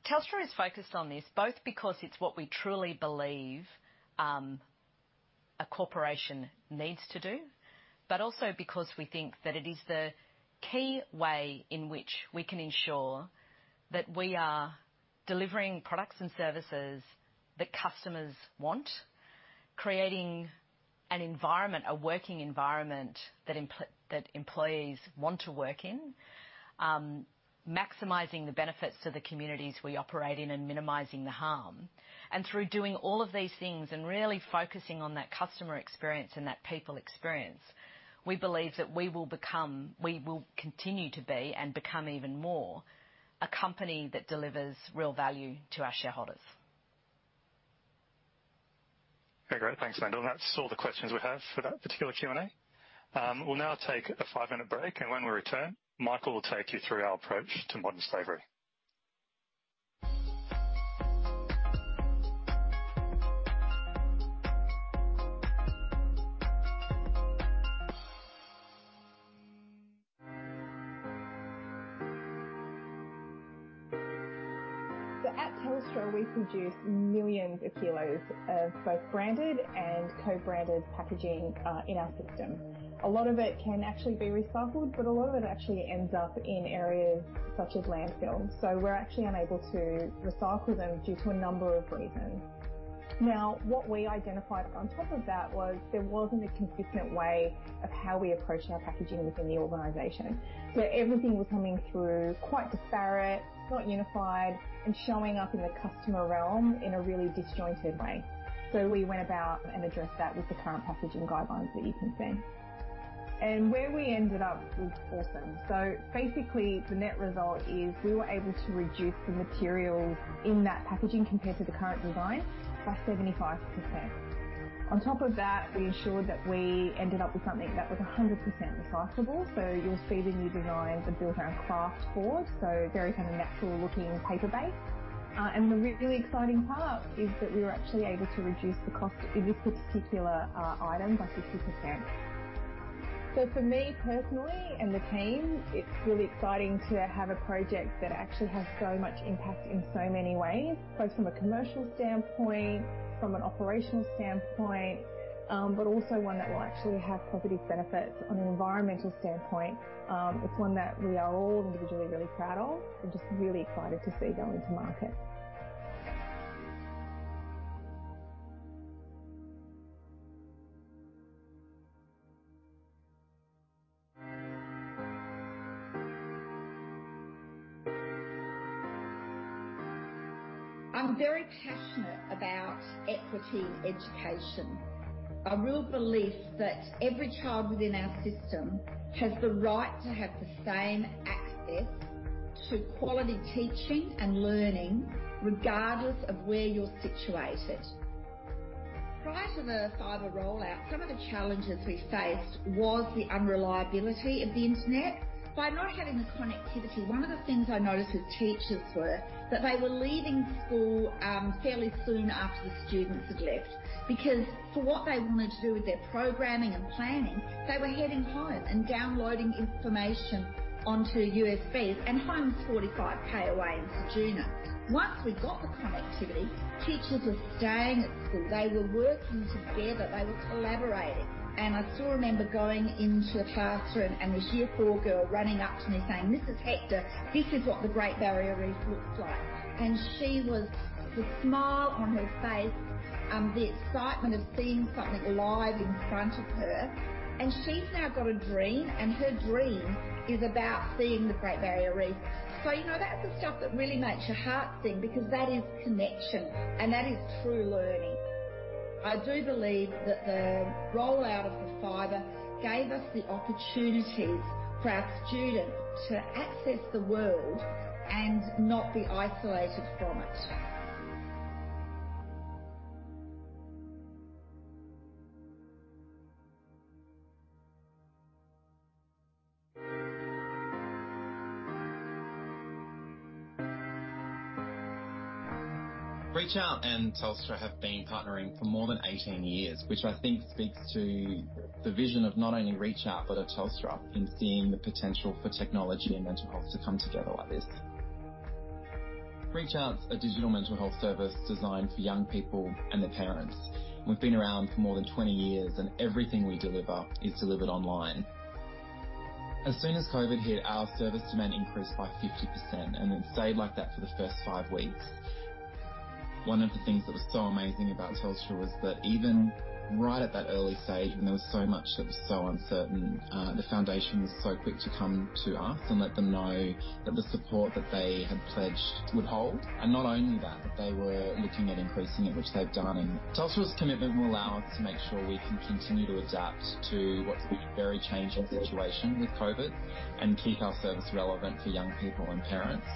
Telstra is focused on this both because it's what we truly believe a corporation needs to do but also because we think that it is the key way in which we can ensure that we are delivering products and services that customers want, creating a working environment that employees want to work in, maximizing the benefits to the communities we operate in and minimizing the harm. Through doing all of these things and really focusing on that customer experience and that people experience, we believe that we will continue to be and become even more a company that delivers real value to our shareholders. Okay, great. Thanks, Lyndall. That's all the questions we have for that particular Q&A. We'll now take a five-minute break, and when we return, Michael will take you through our approach to modern slavery. So at Telstra, we produce millions of kilos of both branded and co-branded packaging in our system. A lot of it can actually be recycled, but a lot of it actually ends up in areas such as landfills. So we're actually unable to recycle them due to a number of reasons. Now, what we identified on top of that was there wasn't a consistent way of how we approach our packaging within the organization. So everything was coming through quite disparate, not unified, and showing up in the customer realm in a really disjointed way. So we went about and addressed that with the current packaging guidelines that you can see. And where we ended up was awesome. So basically, the net result is we were able to reduce the materials in that packaging compared to the current design by 75%. On top of that, we ensured that we ended up with something that was 100% recyclable. So you'll see the new designs are built on Kraft board, so very kind of natural-looking paper-based. The really exciting part is that we were actually able to reduce the cost of this particular item by 50%. So for me personally and the team, it's really exciting to have a project that actually has so much impact in so many ways, both from a commercial standpoint, from an operational standpoint, but also one that will actually have positive benefits on an environmental standpoint. It's one that we are all individually really proud of and just really excited to see go into market. I'm very passionate about equity in education, a real belief that every child within our system has the right to have the same access to quality teaching and learning regardless of where you're situated. Prior to the fibre rollout, some of the challenges we faced was the unreliability of the internet. By not having the connectivity, one of the things I noticed with teachers was that they were leaving school fairly soon after the students had left because for what they wanted to do with their programming and planning, they were heading home and downloading information onto USBs, and home was 45 km away in Ceduna. Once we got the connectivity, teachers were staying at school. They were working together. They were collaborating. And I still remember going into a classroom and this Year 4 girl running up to me saying, "Mrs. Hector, this is what the Great Barrier Reef looks like." And she was the smile on her face, the excitement of seeing something live in front of her. And she's now got a dream, and her dream is about seeing the Great Barrier Reef. So that's the stuff that really makes your heart sing because that is connection, and that is true learning. I do believe that the rollout of the fibre gave us the opportunities for our students to access the world and not be isolated from it. ReachOut and Telstra have been partnering for more than 18 years, which I think speaks to the vision of not only ReachOut but of Telstra in seeing the potential for technology and mental health to come together like this. ReachOut's a digital mental health service designed for young people and their parents. We've been around for more than 20 years, and everything we deliver is delivered online. As soon as COVID hit, our service demand increased by 50% and then stayed like that for the first 5 weeks. One of the things that was so amazing about Telstra was that even right at that early stage, when there was so much that was so uncertain, the foundation was so quick to come to us and let them know that the support that they had pledged would hold. Not only that, they were looking at increasing it, which they've done. Telstra's commitment will allow us to make sure we can continue to adapt to what's been a very changing situation with COVID and keep our service relevant for young people and parents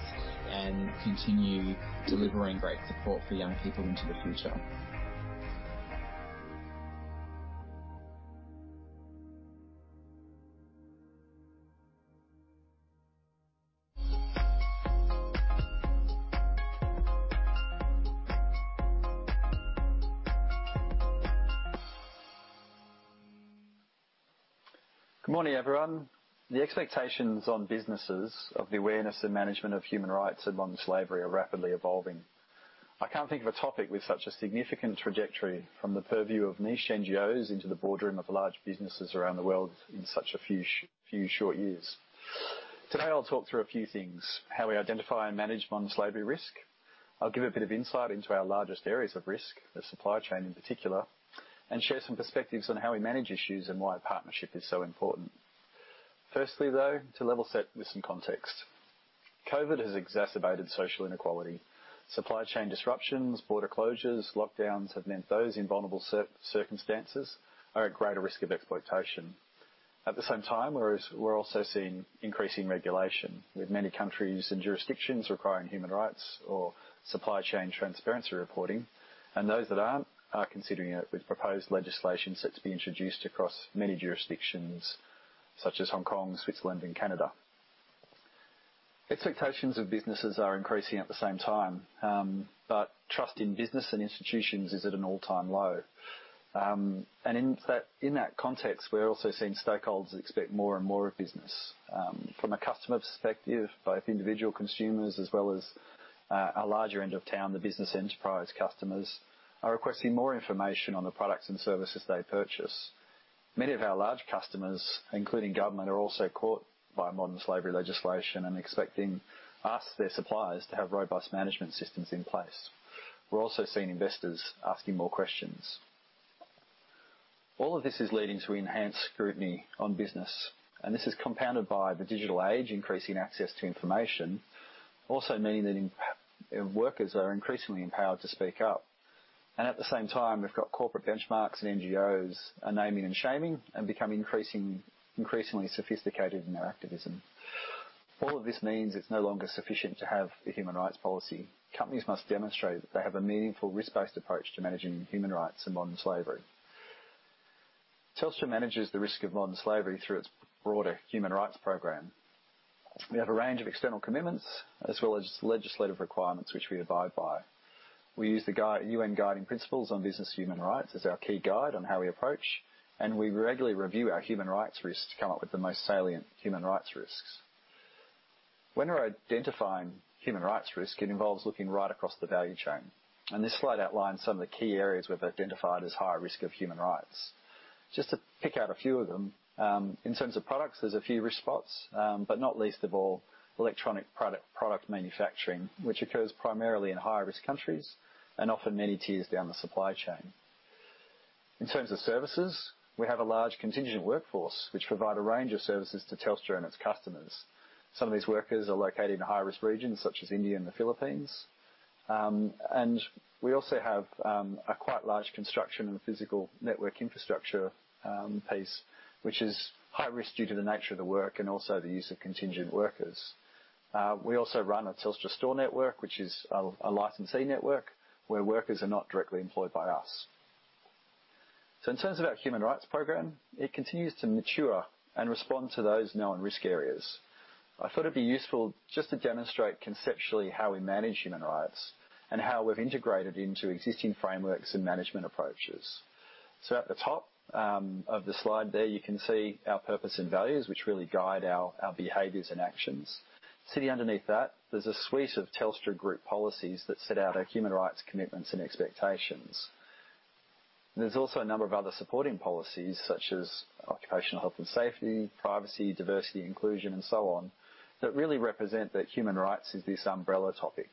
and continue delivering great support for young people into the future. Good morning, everyone. The expectations on businesses of the awareness and management of human rights and modern slavery are rapidly evolving. I can't think of a topic with such a significant trajectory from the purview of niche NGOs into the boardroom of large businesses around the world in such a few short years. Today, I'll talk through a few things: how we identify and manage modern slavery risk. I'll give a bit of insight into our largest areas of risk, the supply chain in particular, and share some perspectives on how we manage issues and why a partnership is so important. Firstly, though, to level set with some context. COVID has exacerbated social inequality. Supply chain disruptions, border closures, lockdowns have meant those in vulnerable circumstances are at greater risk of exploitation. At the same time, we're also seeing increasing regulation with many countries and jurisdictions requiring human rights or supply chain transparency reporting. Those that aren't are considering it with proposed legislation set to be introduced across many jurisdictions such as Hong Kong, Switzerland, and Canada. Expectations of businesses are increasing at the same time, but trust in business and institutions is at an all-time low. In that context, we're also seeing stakeholders expect more and more of business. From a customer perspective, both individual consumers as well as our larger end of town, the business enterprise customers, are requesting more information on the products and services they purchase. Many of our large customers, including government, are also caught by modern slavery legislation and expecting us, their suppliers, to have robust management systems in place. We're also seeing investors asking more questions. All of this is leading to enhanced scrutiny on business, and this is compounded by the digital age, increasing access to information, also meaning that workers are increasingly empowered to speak up. At the same time, we've got corporate benchmarks and NGOs are naming and shaming and becoming increasingly sophisticated in their activism. All of this means it's no longer sufficient to have a human rights policy. Companies must demonstrate that they have a meaningful, risk-based approach to managing human rights and modern slavery. Telstra manages the risk of modern slavery through its broader human rights program. We have a range of external commitments as well as legislative requirements which we abide by. We use the UN Guiding Principles on Business and Human Rights as our key guide on how we approach, and we regularly review our human rights risks to come up with the most salient human rights risks. When we're identifying human rights risk, it involves looking right across the value chain. This slide outlines some of the key areas we've identified as high risk of human rights. Just to pick out a few of them, in terms of products, there's a few risk spots, but not least of all, electronic product manufacturing, which occurs primarily in high-risk countries and often many tiers down the supply chain. In terms of services, we have a large contingent workforce which provides a range of services to Telstra and its customers. Some of these workers are located in high-risk regions such as India and the Philippines. We also have a quite large construction and physical network infrastructure piece, which is high-risk due to the nature of the work and also the use of contingent workers. We also run a Telstra store network, which is a licensee network where workers are not directly employed by us. So in terms of our human rights program, it continues to mature and respond to those known risk areas. I thought it'd be useful just to demonstrate conceptually how we manage human rights and how we've integrated into existing frameworks and management approaches. So at the top of the slide there, you can see our purpose and values, which really guide our behaviors and actions. Sitting underneath that, there's a suite of Telstra Group policies that set out our human rights commitments and expectations. There's also a number of other supporting policies such as occupational health and safety, privacy, diversity, inclusion, and so on that really represent that human rights is this umbrella topic.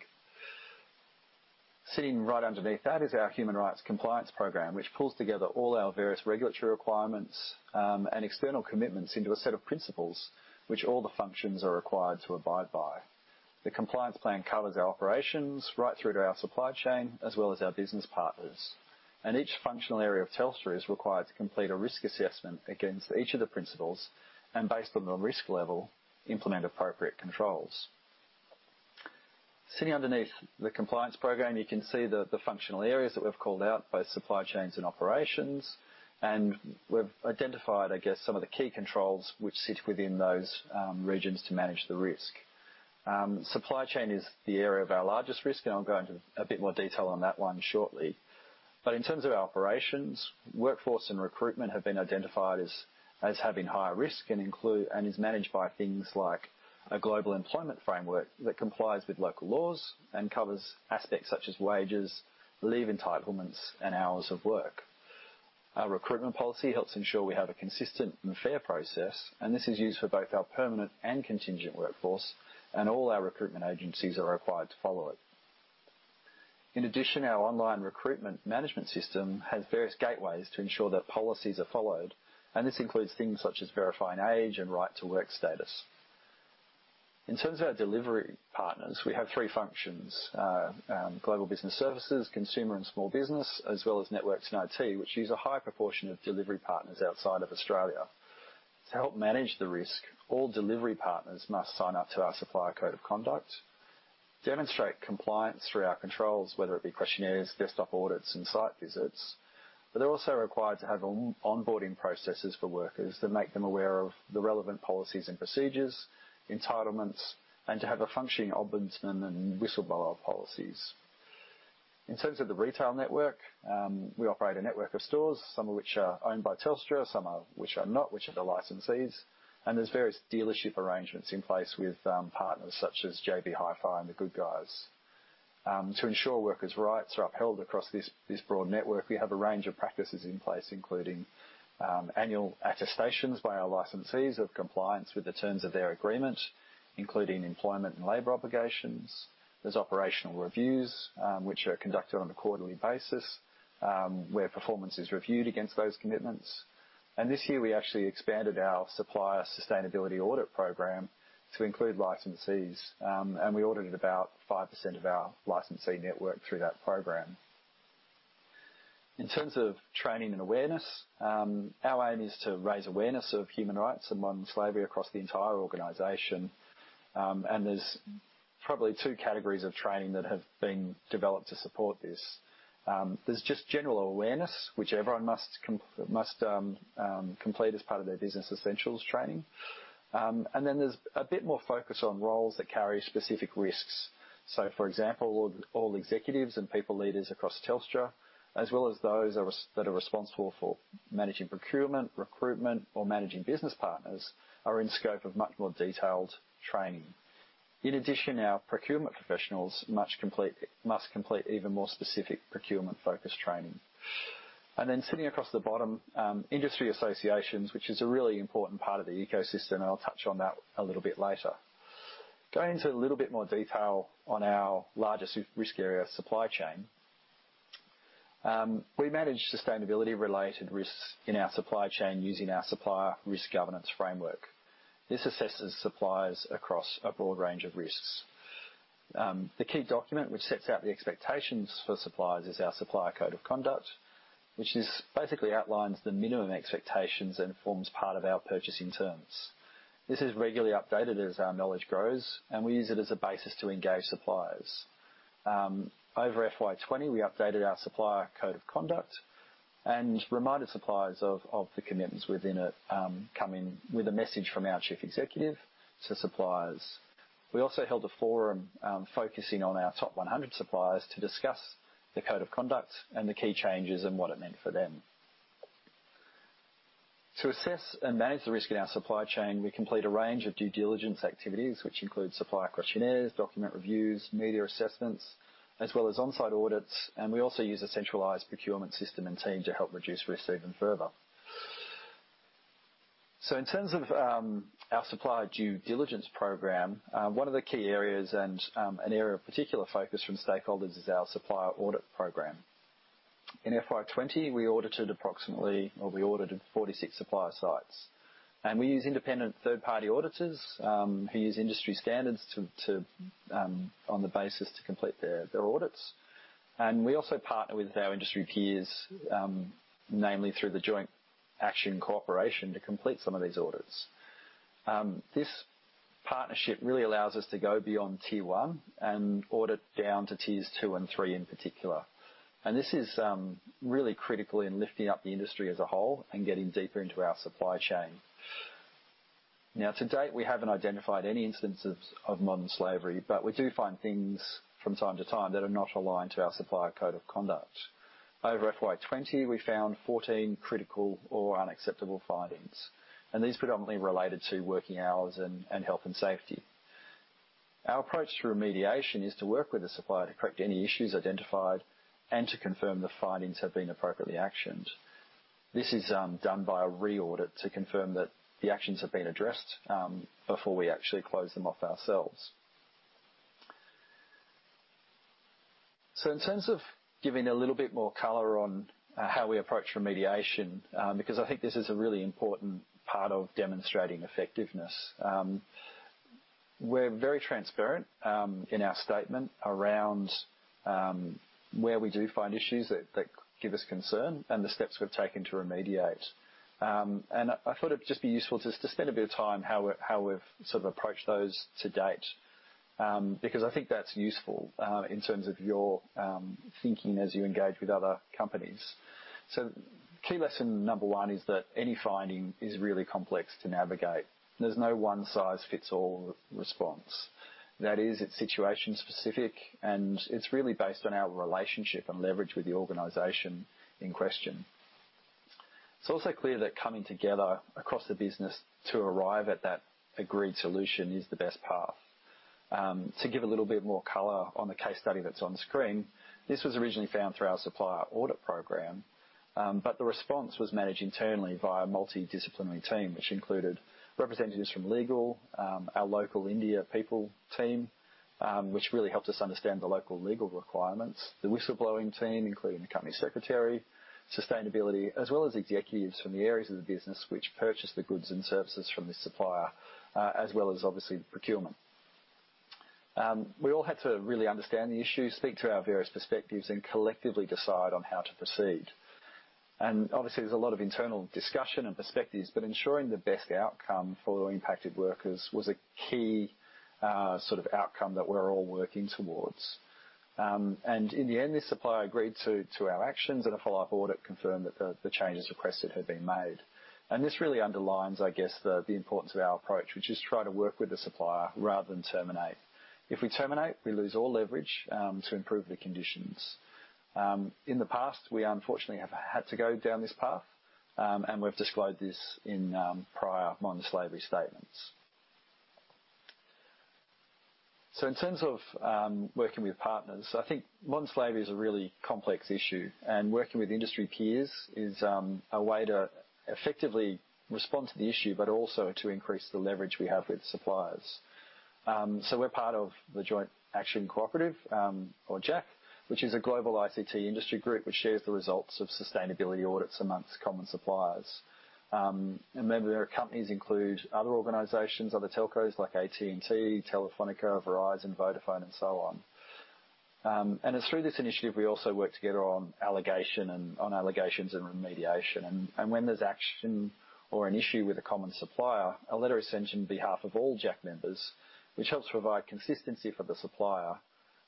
Sitting right underneath that is our human rights compliance program, which pulls together all our various regulatory requirements and external commitments into a set of principles which all the functions are required to abide by. The compliance plan covers our operations right through to our supply chain as well as our business partners. Each functional area of Telstra is required to complete a risk assessment against each of the principles and, based on the risk level, implement appropriate controls. Sitting underneath the compliance program, you can see the functional areas that we've called out, both supply chains and operations. We've identified, I guess, some of the key controls which sit within those regions to manage the risk. Supply chain is the area of our largest risk, and I'll go into a bit more detail on that one shortly. In terms of our operations, workforce and recruitment have been identified as having higher risk and is managed by things like a global employment framework that complies with local laws and covers aspects such as wages, leave entitlements, and hours of work. Our recruitment policy helps ensure we have a consistent and fair process, and this is used for both our permanent and contingent workforce, and all our recruitment agencies are required to follow it. In addition, our online recruitment management system has various gateways to ensure that policies are followed, and this includes things such as verifying age and right-to-work status. In terms of our delivery partners, we have three functions: global business services, consumer and small business, as well as networks and IT, which use a high proportion of delivery partners outside of Australia. To help manage the risk, all delivery partners must sign up to our Supplier Code of Conduct, demonstrate compliance through our controls, whether it be questionnaires, desktop audits, and site visits. But they're also required to have onboarding processes for workers that make them aware of the relevant policies and procedures, entitlements, and to have a functioning ombudsman and whistleblower policies. In terms of the retail network, we operate a network of stores, some of which are owned by Telstra, some of which are not, which are the licensees. There's various dealership arrangements in place with partners such as JB Hi-Fi and The Good Guys. To ensure workers' rights are upheld across this broad network, we have a range of practices in place, including annual attestations by our licensees of compliance with the terms of their agreement, including employment and labor obligations. There's operational reviews, which are conducted on a quarterly basis where performance is reviewed against those commitments. This year, we actually expanded our supplier sustainability audit program to include licensees, and we audited about 5% of our licensee network through that program. In terms of training and awareness, our aim is to raise awareness of human rights and modern slavery across the entire organization. There's probably two categories of training that have been developed to support this. There's just general awareness, which everyone must complete as part of their Business Essentials training. Then there's a bit more focus on roles that carry specific risks. So, for example, all executives and people leaders across Telstra, as well as those that are responsible for managing procurement, recruitment, or managing business partners, are in scope of much more detailed training. In addition, our procurement professionals must complete even more specific procurement-focused training. And then sitting across the bottom, industry associations, which is a really important part of the ecosystem, and I'll touch on that a little bit later. Going into a little bit more detail on our largest risk area, supply chain, we manage sustainability-related risks in our supply chain using our Supplier Risk Governance Framework. This assesses suppliers across a broad range of risks. The key document which sets out the expectations for suppliers is our Supplier Code of Conduct, which basically outlines the minimum expectations and forms part of our purchasing terms. This is regularly updated as our knowledge grows, and we use it as a basis to engage suppliers. Over FY2020, we updated our Supplier Code of Conduct and reminded suppliers of the commitments within it with a message from our Chief Executive to suppliers. We also held a forum focusing on our top 100 suppliers to discuss the code of conduct and the key changes and what it meant for them. To assess and manage the risk in our supply chain, we complete a range of due diligence activities, which include supplier questionnaires, document reviews, media assessments, as well as on-site audits. We also use a centralized procurement system and team to help reduce risk even further. In terms of our supplier due diligence program, one of the key areas and an area of particular focus from stakeholders is our supplier audit program. In FY2020, we audited approximately well, we audited 46 supplier sites. We use independent third-party auditors who use industry standards on the basis to complete their audits. We also partner with our industry peers, namely through the Joint Audit Cooperation, to complete some of these audits. This partnership really allows us to go beyond tier one and audit down to tiers two and three in particular. This is really critical in lifting up the industry as a whole and getting deeper into our supply chain. Now, to date, we haven't identified any instances of modern slavery, but we do find things from time to time that are not aligned to our Supplier Code of Conduct. Over FY2020, we found 14 critical or unacceptable findings, and these predominantly related to working hours and health and safety. Our approach to remediation is to work with a supplier to correct any issues identified and to confirm the findings have been appropriately actioned. This is done by a re-audit to confirm that the actions have been addressed before we actually close them off ourselves. In terms of giving a little bit more color on how we approach remediation, because I think this is a really important part of demonstrating effectiveness, we're very transparent in our statement around where we do find issues that give us concern and the steps we've taken to remediate. I thought it'd just be useful to spend a bit of time how we've sort of approached those to date because I think that's useful in terms of your thinking as you engage with other companies. Key lesson number one is that any finding is really complex to navigate. There's no one-size-fits-all response. That is, it's situation-specific, and it's really based on our relationship and leverage with the organization in question. It's also clear that coming together across the business to arrive at that agreed solution is the best path. To give a little bit more color on the case study that's on screen, this was originally found through our supplier audit program, but the response was managed internally via a multidisciplinary team, which included representatives from legal, our local India people team, which really helped us understand the local legal requirements, the whistleblowing team, including the company secretary, sustainability, as well as executives from the areas of the business which purchased the goods and services from this supplier, as well as, obviously, procurement. We all had to really understand the issue, speak to our various perspectives, and collectively decide on how to proceed. Obviously, there's a lot of internal discussion and perspectives, but ensuring the best outcome for impacted workers was a key sort of outcome that we're all working towards. In the end, this supplier agreed to our actions, and a follow-up audit confirmed that the changes requested had been made. This really underlines, I guess, the importance of our approach, which is try to work with the supplier rather than terminate. If we terminate, we lose all leverage to improve the conditions. In the past, we unfortunately have had to go down this path, and we've disclosed this in prior modern slavery statements. In terms of working with partners, I think modern slavery is a really complex issue, and working with industry peers is a way to effectively respond to the issue but also to increase the leverage we have with suppliers. We're part of the Joint Audit Cooperation, or JAC, which is a global ICT industry group which shares the results of sustainability audits amongst common suppliers. And then there are companies that include other organizations, other telcos like AT&T, Telefónica, Verizon, Vodafone, and so on. It's through this initiative we also work together on allegations and remediation. When there's action or an issue with a common supplier, a letter is sent on behalf of all JAC members, which helps provide consistency for the supplier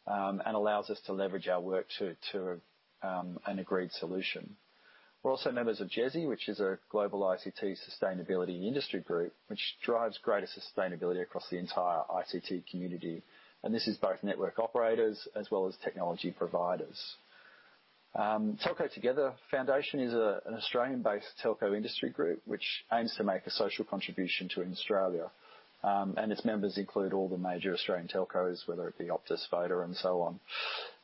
and allows us to leverage our work to an agreed solution. We're also members of GeSI, which is a global ICT sustainability industry group which drives greater sustainability across the entire ICT community. This is both network operators as well as technology providers. Telco Together Foundation is an Australian-based telco industry group which aims to make a social contribution to Australia. Its members include all the major Australian telcos, whether it be Optus, Voda, and so on.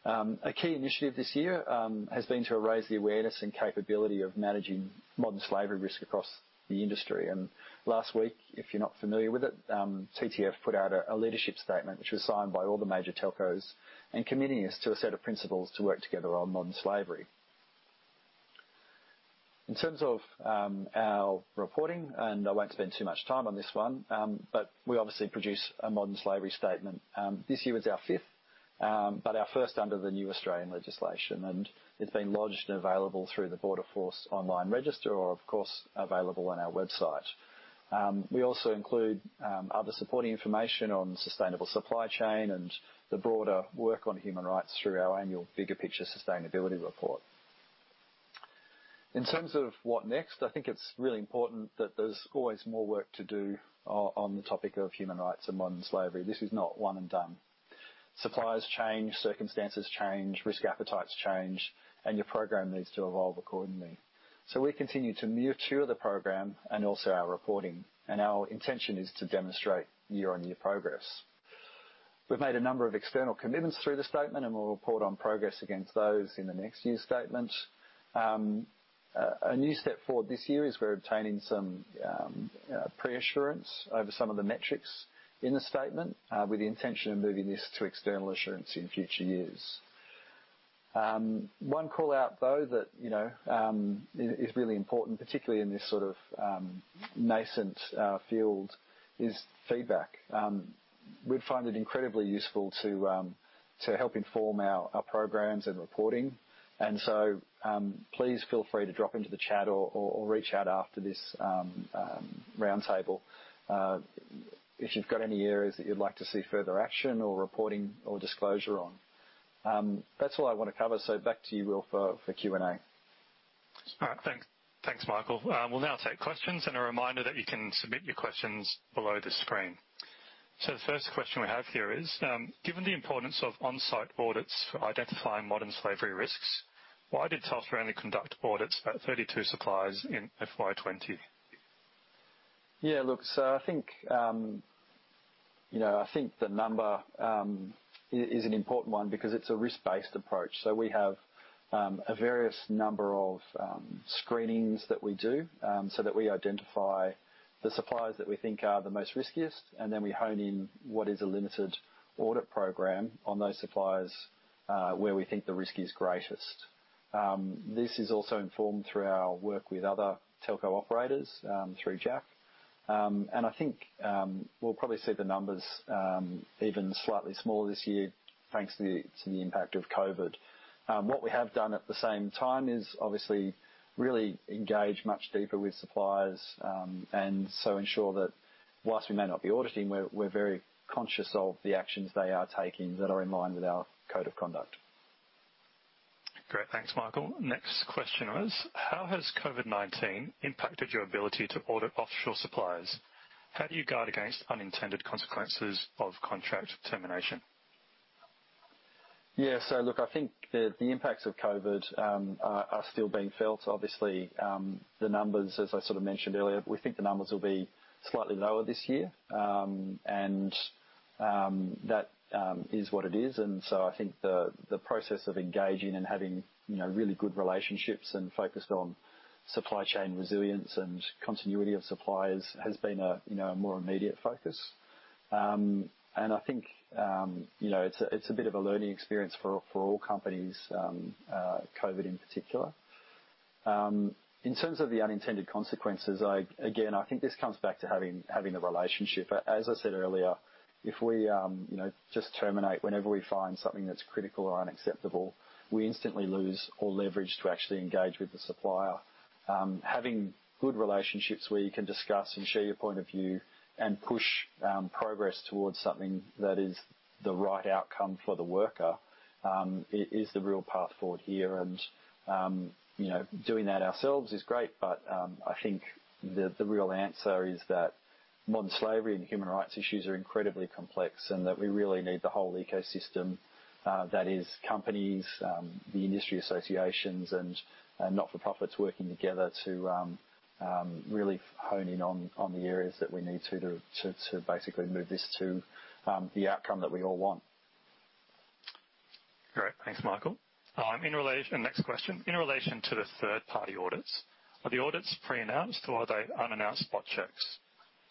A key initiative this year has been to raise the awareness and capability of managing modern slavery risk across the industry. Last week, if you're not familiar with it, TTF put out a leadership statement which was signed by all the major telcos and committing us to a set of principles to work together on modern slavery. In terms of our reporting, and I won't spend too much time on this one, but we obviously produce a Modern Slavery Statement. This year was our fifth, but our first under the new Australian legislation. It's been lodged and available through the Border Force Online Register or, of course, available on our website. We also include other supporting information on sustainable supply chain and the broader work on human rights through our annual Bigger Picture Sustainability Report. In terms of what next, I think it's really important that there's always more work to do on the topic of human rights and modern slavery. This is not one and done. Suppliers change, circumstances change, risk appetites change, and your program needs to evolve accordingly. So we continue to mature the program and also our reporting, and our intention is to demonstrate year-on-year progress. We've made a number of external commitments through the statement, and we'll report on progress against those in the next year's statement. A new step forward this year is we're obtaining some pre-assurance over some of the metrics in the statement with the intention of moving this to external assurance in future years. One callout, though, that is really important, particularly in this sort of nascent field, is feedback. We'd find it incredibly useful to help inform our programs and reporting. Please feel free to drop into the chat or reach out after this roundtable if you've got any areas that you'd like to see further action or reporting or disclosure on. That's all I want to cover, so back to you, Will, for Q&A. All right. Thanks, Michael. We'll now take questions, and a reminder that you can submit your questions below the screen. So the first question we have here is, given the importance of onsite audits for identifying modern slavery risks, why did Telstra only conduct audits at 32 suppliers in FY2020? Yeah. Look, so I think the number is an important one because it's a risk-based approach. So we have a various number of screenings that we do so that we identify the suppliers that we think are the most riskiest, and then we hone in what is a limited audit program on those suppliers where we think the risk is greatest. This is also informed through our work with other telco operators through JAC. And I think we'll probably see the numbers even slightly smaller this year thanks to the impact of COVID. What we have done at the same time is, obviously, really engage much deeper with suppliers and so ensure that whilst we may not be auditing, we're very conscious of the actions they are taking that are in line with our code of conduct. Great. Thanks, Michael. Next question was, how has COVID-19 impacted your ability to audit offshore suppliers? How do you guard against unintended consequences of contract termination? Yeah. So look, I think the impacts of COVID are still being felt. Obviously, the numbers, as I sort of mentioned earlier, we think the numbers will be slightly lower this year, and that is what it is. And so I think the process of engaging and having really good relationships and focused on supply chain resilience and continuity of suppliers has been a more immediate focus. And I think it's a bit of a learning experience for all companies, COVID in particular. In terms of the unintended consequences, again, I think this comes back to having the relationship. As I said earlier, if we just terminate whenever we find something that's critical or unacceptable, we instantly lose all leverage to actually engage with the supplier. Having good relationships where you can discuss and share your point of view and push progress towards something that is the right outcome for the worker is the real path forward here. And doing that ourselves is great, but I think the real answer is that modern slavery and human rights issues are incredibly complex and that we really need the whole ecosystem that is companies, the industry associations, and not-for-profits working together to really hone in on the areas that we need to basically move this to the outcome that we all want. Great. Thanks, Michael. Next question. In relation to the third-party audits, are the audits pre-announced or are they unannounced spot checks?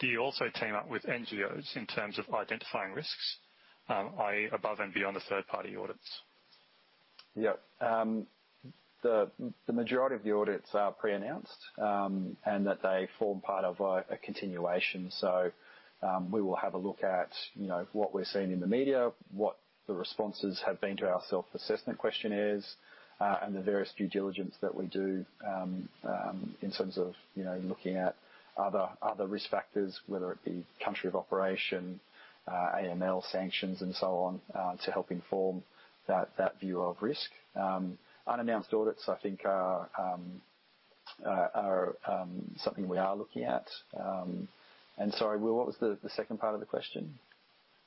Do you also team up with NGOs in terms of identifying risks, i.e., above and beyond the third-party audits? Yep. The majority of the audits are pre-announced and that they form part of a continuation. So we will have a look at what we're seeing in the media, what the responses have been to our self-assessment questionnaires, and the various due diligence that we do in terms of looking at other risk factors, whether it be country of operation, AML sanctions, and so on, to help inform that view of risk. Unannounced audits, I think, are something we are looking at. And sorry, Will, what was the second part of the question?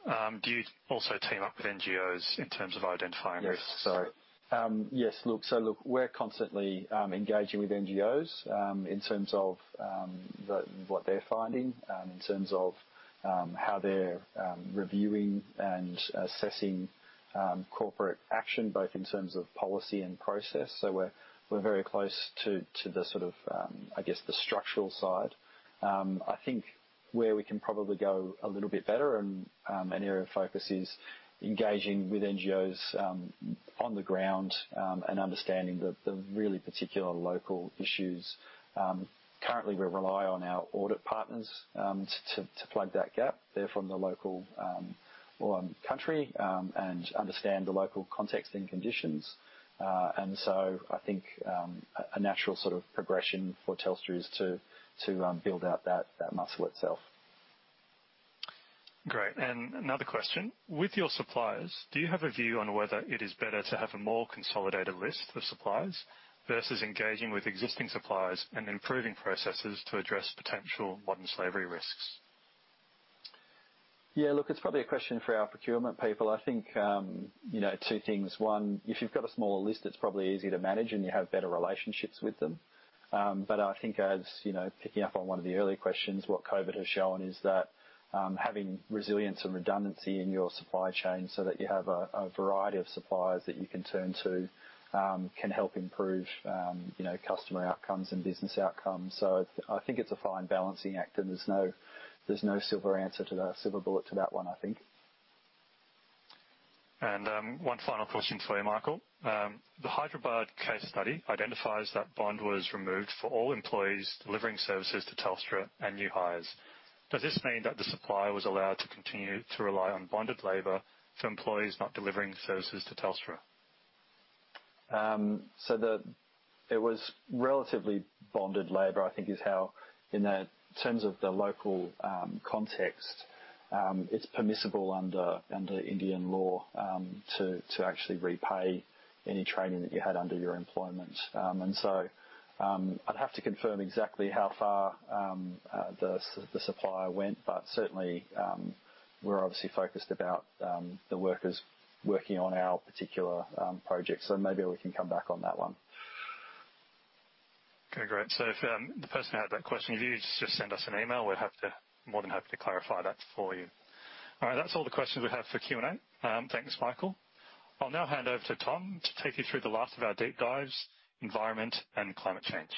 Do you also team up with NGOs in terms of identifying risks? Yes. So yes. Look, so look, we're constantly engaging with NGOs in terms of what they're finding, in terms of how they're reviewing and assessing corporate action, both in terms of policy and process. So we're very close to the sort of, I guess, the structural side. I think where we can probably go a little bit better and an area of focus is engaging with NGOs on the ground and understanding the really particular local issues. Currently, we rely on our audit partners to plug that gap, therefore, in the local country, and understand the local context and conditions. And so I think a natural sort of progression for Telstra is to build out that muscle itself. Great. Another question. With your suppliers, do you have a view on whether it is better to have a more consolidated list of suppliers versus engaging with existing suppliers and improving processes to address potential modern slavery risks? Yeah. Look, it's probably a question for our procurement people. I think two things. One, if you've got a smaller list, it's probably easier to manage and you have better relationships with them. But I think, as picking up on one of the earlier questions, what COVID has shown is that having resilience and redundancy in your supply chain so that you have a variety of suppliers that you can turn to can help improve customer outcomes and business outcomes. So I think it's a fine balancing act, and there's no silver answer to that silver bullet to that one, I think. One final question for you, Michael. The Hyderabad case study identifies that bond was removed for all employees delivering services to Telstra and new hires. Does this mean that the supplier was allowed to continue to rely on bonded labour for employees not delivering services to Telstra? So it was relatively bonded labor, I think, is how in terms of the local context, it's permissible under Indian law to actually repay any training that you had under your employment. So I'd have to confirm exactly how far the supplier went, but certainly, we're obviously focused about the workers working on our particular project. So maybe we can come back on that one. Okay. Great. So if the person had that question of you, just send us an email. We're more than happy to clarify that for you. All right. That's all the questions we have for Q&A. Thanks, Michael. I'll now hand over to Tom to take you through the last of our deep dives, environment and climate change.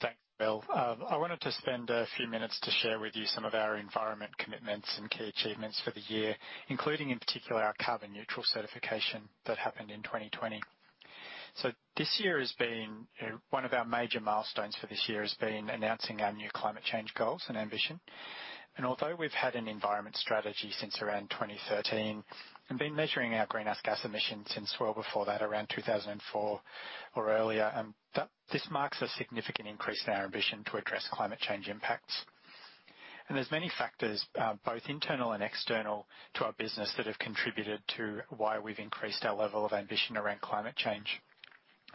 Thanks, Will. I wanted to spend a few minutes to share with you some of our environmental commitments and key achievements for the year, including in particular our carbon neutral certification that happened in 2020. So this year has been one of our major milestones for this year has been announcing our new climate change goals and ambition. Although we've had an environmental strategy since around 2013 and been measuring our greenhouse gas emissions since well before that, around 2004 or earlier, this marks a significant increase in our ambition to address climate change impacts. There's many factors, both internal and external, to our business that have contributed to why we've increased our level of ambition around climate change.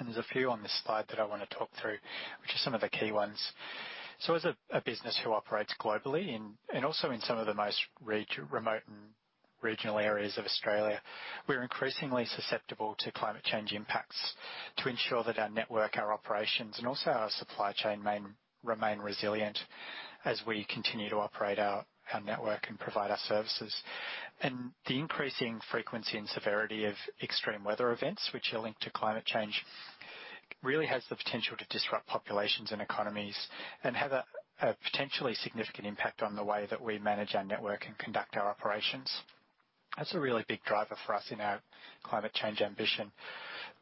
There's a few on this slide that I want to talk through, which are some of the key ones. So as a business who operates globally and also in some of the most remote and regional areas of Australia, we're increasingly susceptible to climate change impacts to ensure that our network, our operations, and also our supply chain remain resilient as we continue to operate our network and provide our services. And the increasing frequency and severity of extreme weather events, which are linked to climate change, really has the potential to disrupt populations and economies and have a potentially significant impact on the way that we manage our network and conduct our operations. That's a really big driver for us in our climate change ambition.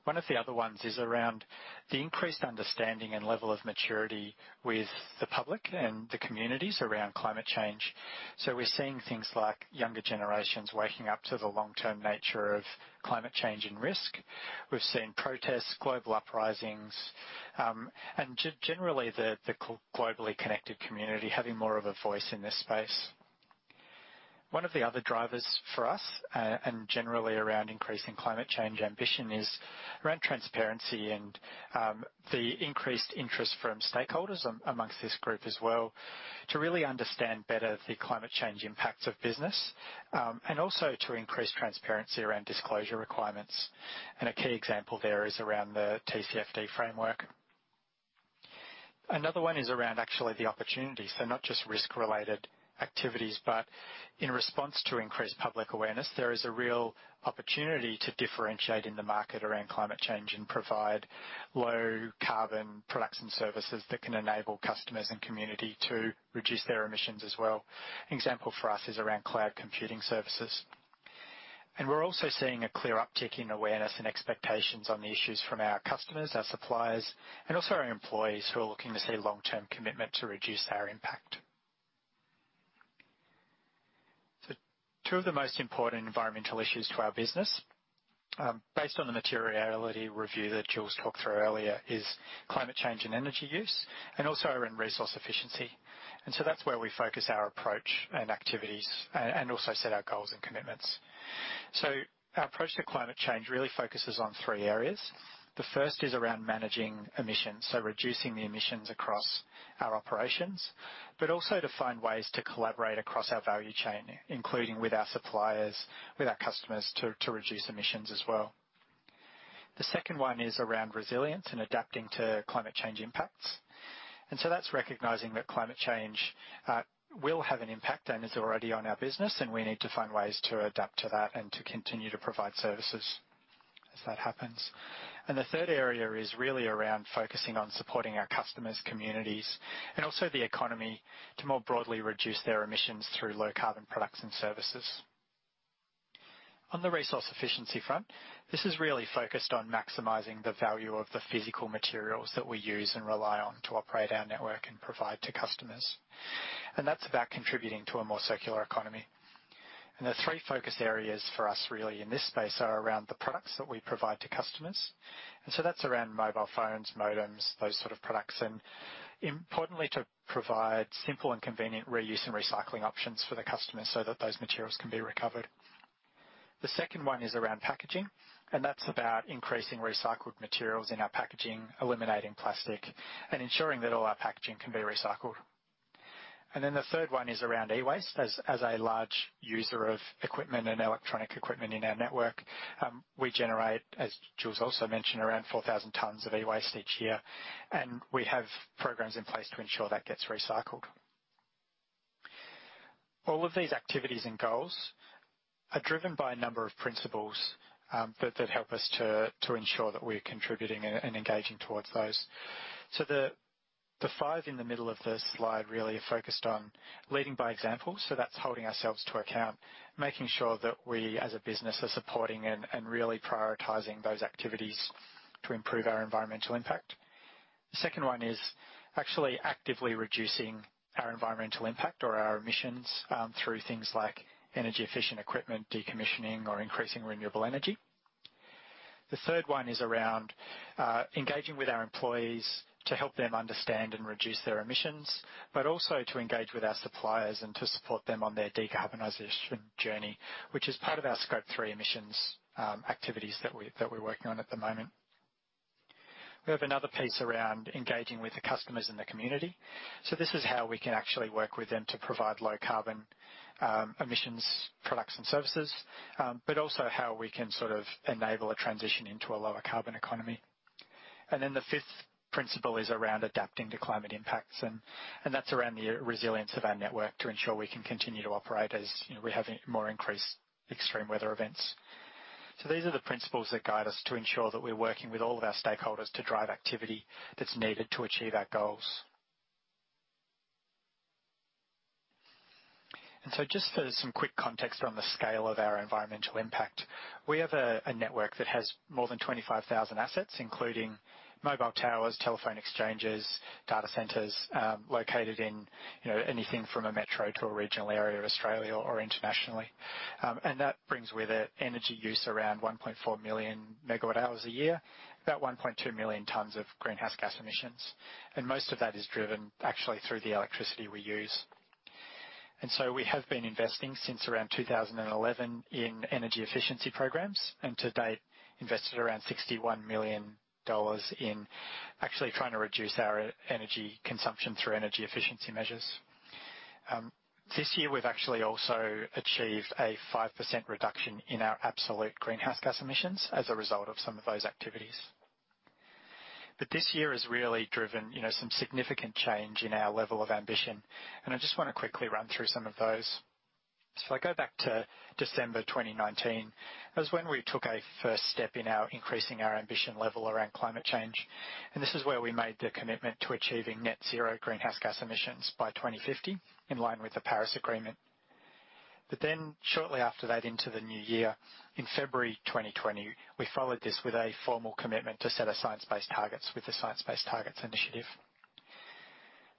One of the other ones is around the increased understanding and level of maturity with the public and the communities around climate change. So we're seeing things like younger generations waking up to the long-term nature of climate change and risk. We've seen protests, global uprisings, and generally, the globally connected community having more of a voice in this space. One of the other drivers for us and generally around increasing climate change ambition is around transparency and the increased interest from stakeholders amongst this group as well to really understand better the climate change impacts of business and also to increase transparency around disclosure requirements. A key example there is around the TCFD framework. Another one is around actually the opportunity, so not just risk-related activities, but in response to increased public awareness, there is a real opportunity to differentiate in the market around climate change and provide low-carbon products and services that can enable customers and community to reduce their emissions as well. An example for us is around cloud computing services. We're also seeing a clear uptick in awareness and expectations on the issues from our customers, our suppliers, and also our employees who are looking to see long-term commitment to reduce our impact. Two of the most important environmental issues to our business, based on the materiality review that Jules talked through earlier, is climate change and energy use and also around resource efficiency. That's where we focus our approach and activities and also set our goals and commitments. Our approach to climate change really focuses on three areas. The first is around managing emissions, so reducing the emissions across our operations, but also to find ways to collaborate across our value chain, including with our suppliers, with our customers, to reduce emissions as well. The second one is around resilience and adapting to climate change impacts. And so that's recognizing that climate change will have an impact and is already on our business, and we need to find ways to adapt to that and to continue to provide services as that happens. And the third area is really around focusing on supporting our customers, communities, and also the economy to more broadly reduce their emissions through low-carbon products and services. On the resource efficiency front, this is really focused on maximizing the value of the physical materials that we use and rely on to operate our network and provide to customers. And that's about contributing to a more circular economy. And the three focus areas for us really in this space are around the products that we provide to customers. So that's around mobile phones, modems, those sort of products, and importantly, to provide simple and convenient reuse and recycling options for the customers so that those materials can be recovered. The second one is around packaging, and that's about increasing recycled materials in our packaging, eliminating plastic, and ensuring that all our packaging can be recycled. Then the third one is around E-waste. As a large user of equipment and electronic equipment in our network, we generate, as Jules also mentioned, around 4,000 tonnes of E-waste each year, and we have programs in place to ensure that gets recycled. All of these activities and goals are driven by a number of principles that help us to ensure that we're contributing and engaging towards those. The five in the middle of the slide really are focused on leading by example. So that's holding ourselves to account, making sure that we, as a business, are supporting and really prioritizing those activities to improve our environmental impact. The second one is actually actively reducing our environmental impact or our emissions through things like energy-efficient equipment, decommissioning, or increasing renewable energy. The third one is around engaging with our employees to help them understand and reduce their emissions, but also to engage with our suppliers and to support them on their decarbonization journey, which is part of our scope three emissions activities that we're working on at the moment. We have another piece around engaging with the customers and the community. So this is how we can actually work with them to provide low-carbon emissions products and services, but also how we can sort of enable a transition into a lower-carbon economy. Then the fifth principle is around adapting to climate impacts, and that's around the resilience of our network to ensure we can continue to operate as we have more increased extreme weather events. These are the principles that guide us to ensure that we're working with all of our stakeholders to drive activity that's needed to achieve our goals. Just for some quick context on the scale of our environmental impact, we have a network that has more than 25,000 assets, including mobile towers, telephone exchanges, data centers located in anything from a metro to a regional area of Australia or internationally. That brings with it energy use around 1.4 million MWh a year, about 1.2 million tonnes of greenhouse gas emissions. Most of that is driven actually through the electricity we use. So we have been investing since around 2011 in energy efficiency programs and to date invested around 61 million dollars in actually trying to reduce our energy consumption through energy efficiency measures. This year, we've actually also achieved a 5% reduction in our absolute greenhouse gas emissions as a result of some of those activities. This year has really driven some significant change in our level of ambition, and I just want to quickly run through some of those. If I go back to December 2019, that was when we took a first step in increasing our ambition level around climate change. This is where we made the commitment to achieving net zero greenhouse gas emissions by 2050 in line with the Paris Agreement. But then shortly after that, into the new year, in February 2020, we followed this with a formal commitment to set our science-based targets with the Science Based Targets initiative.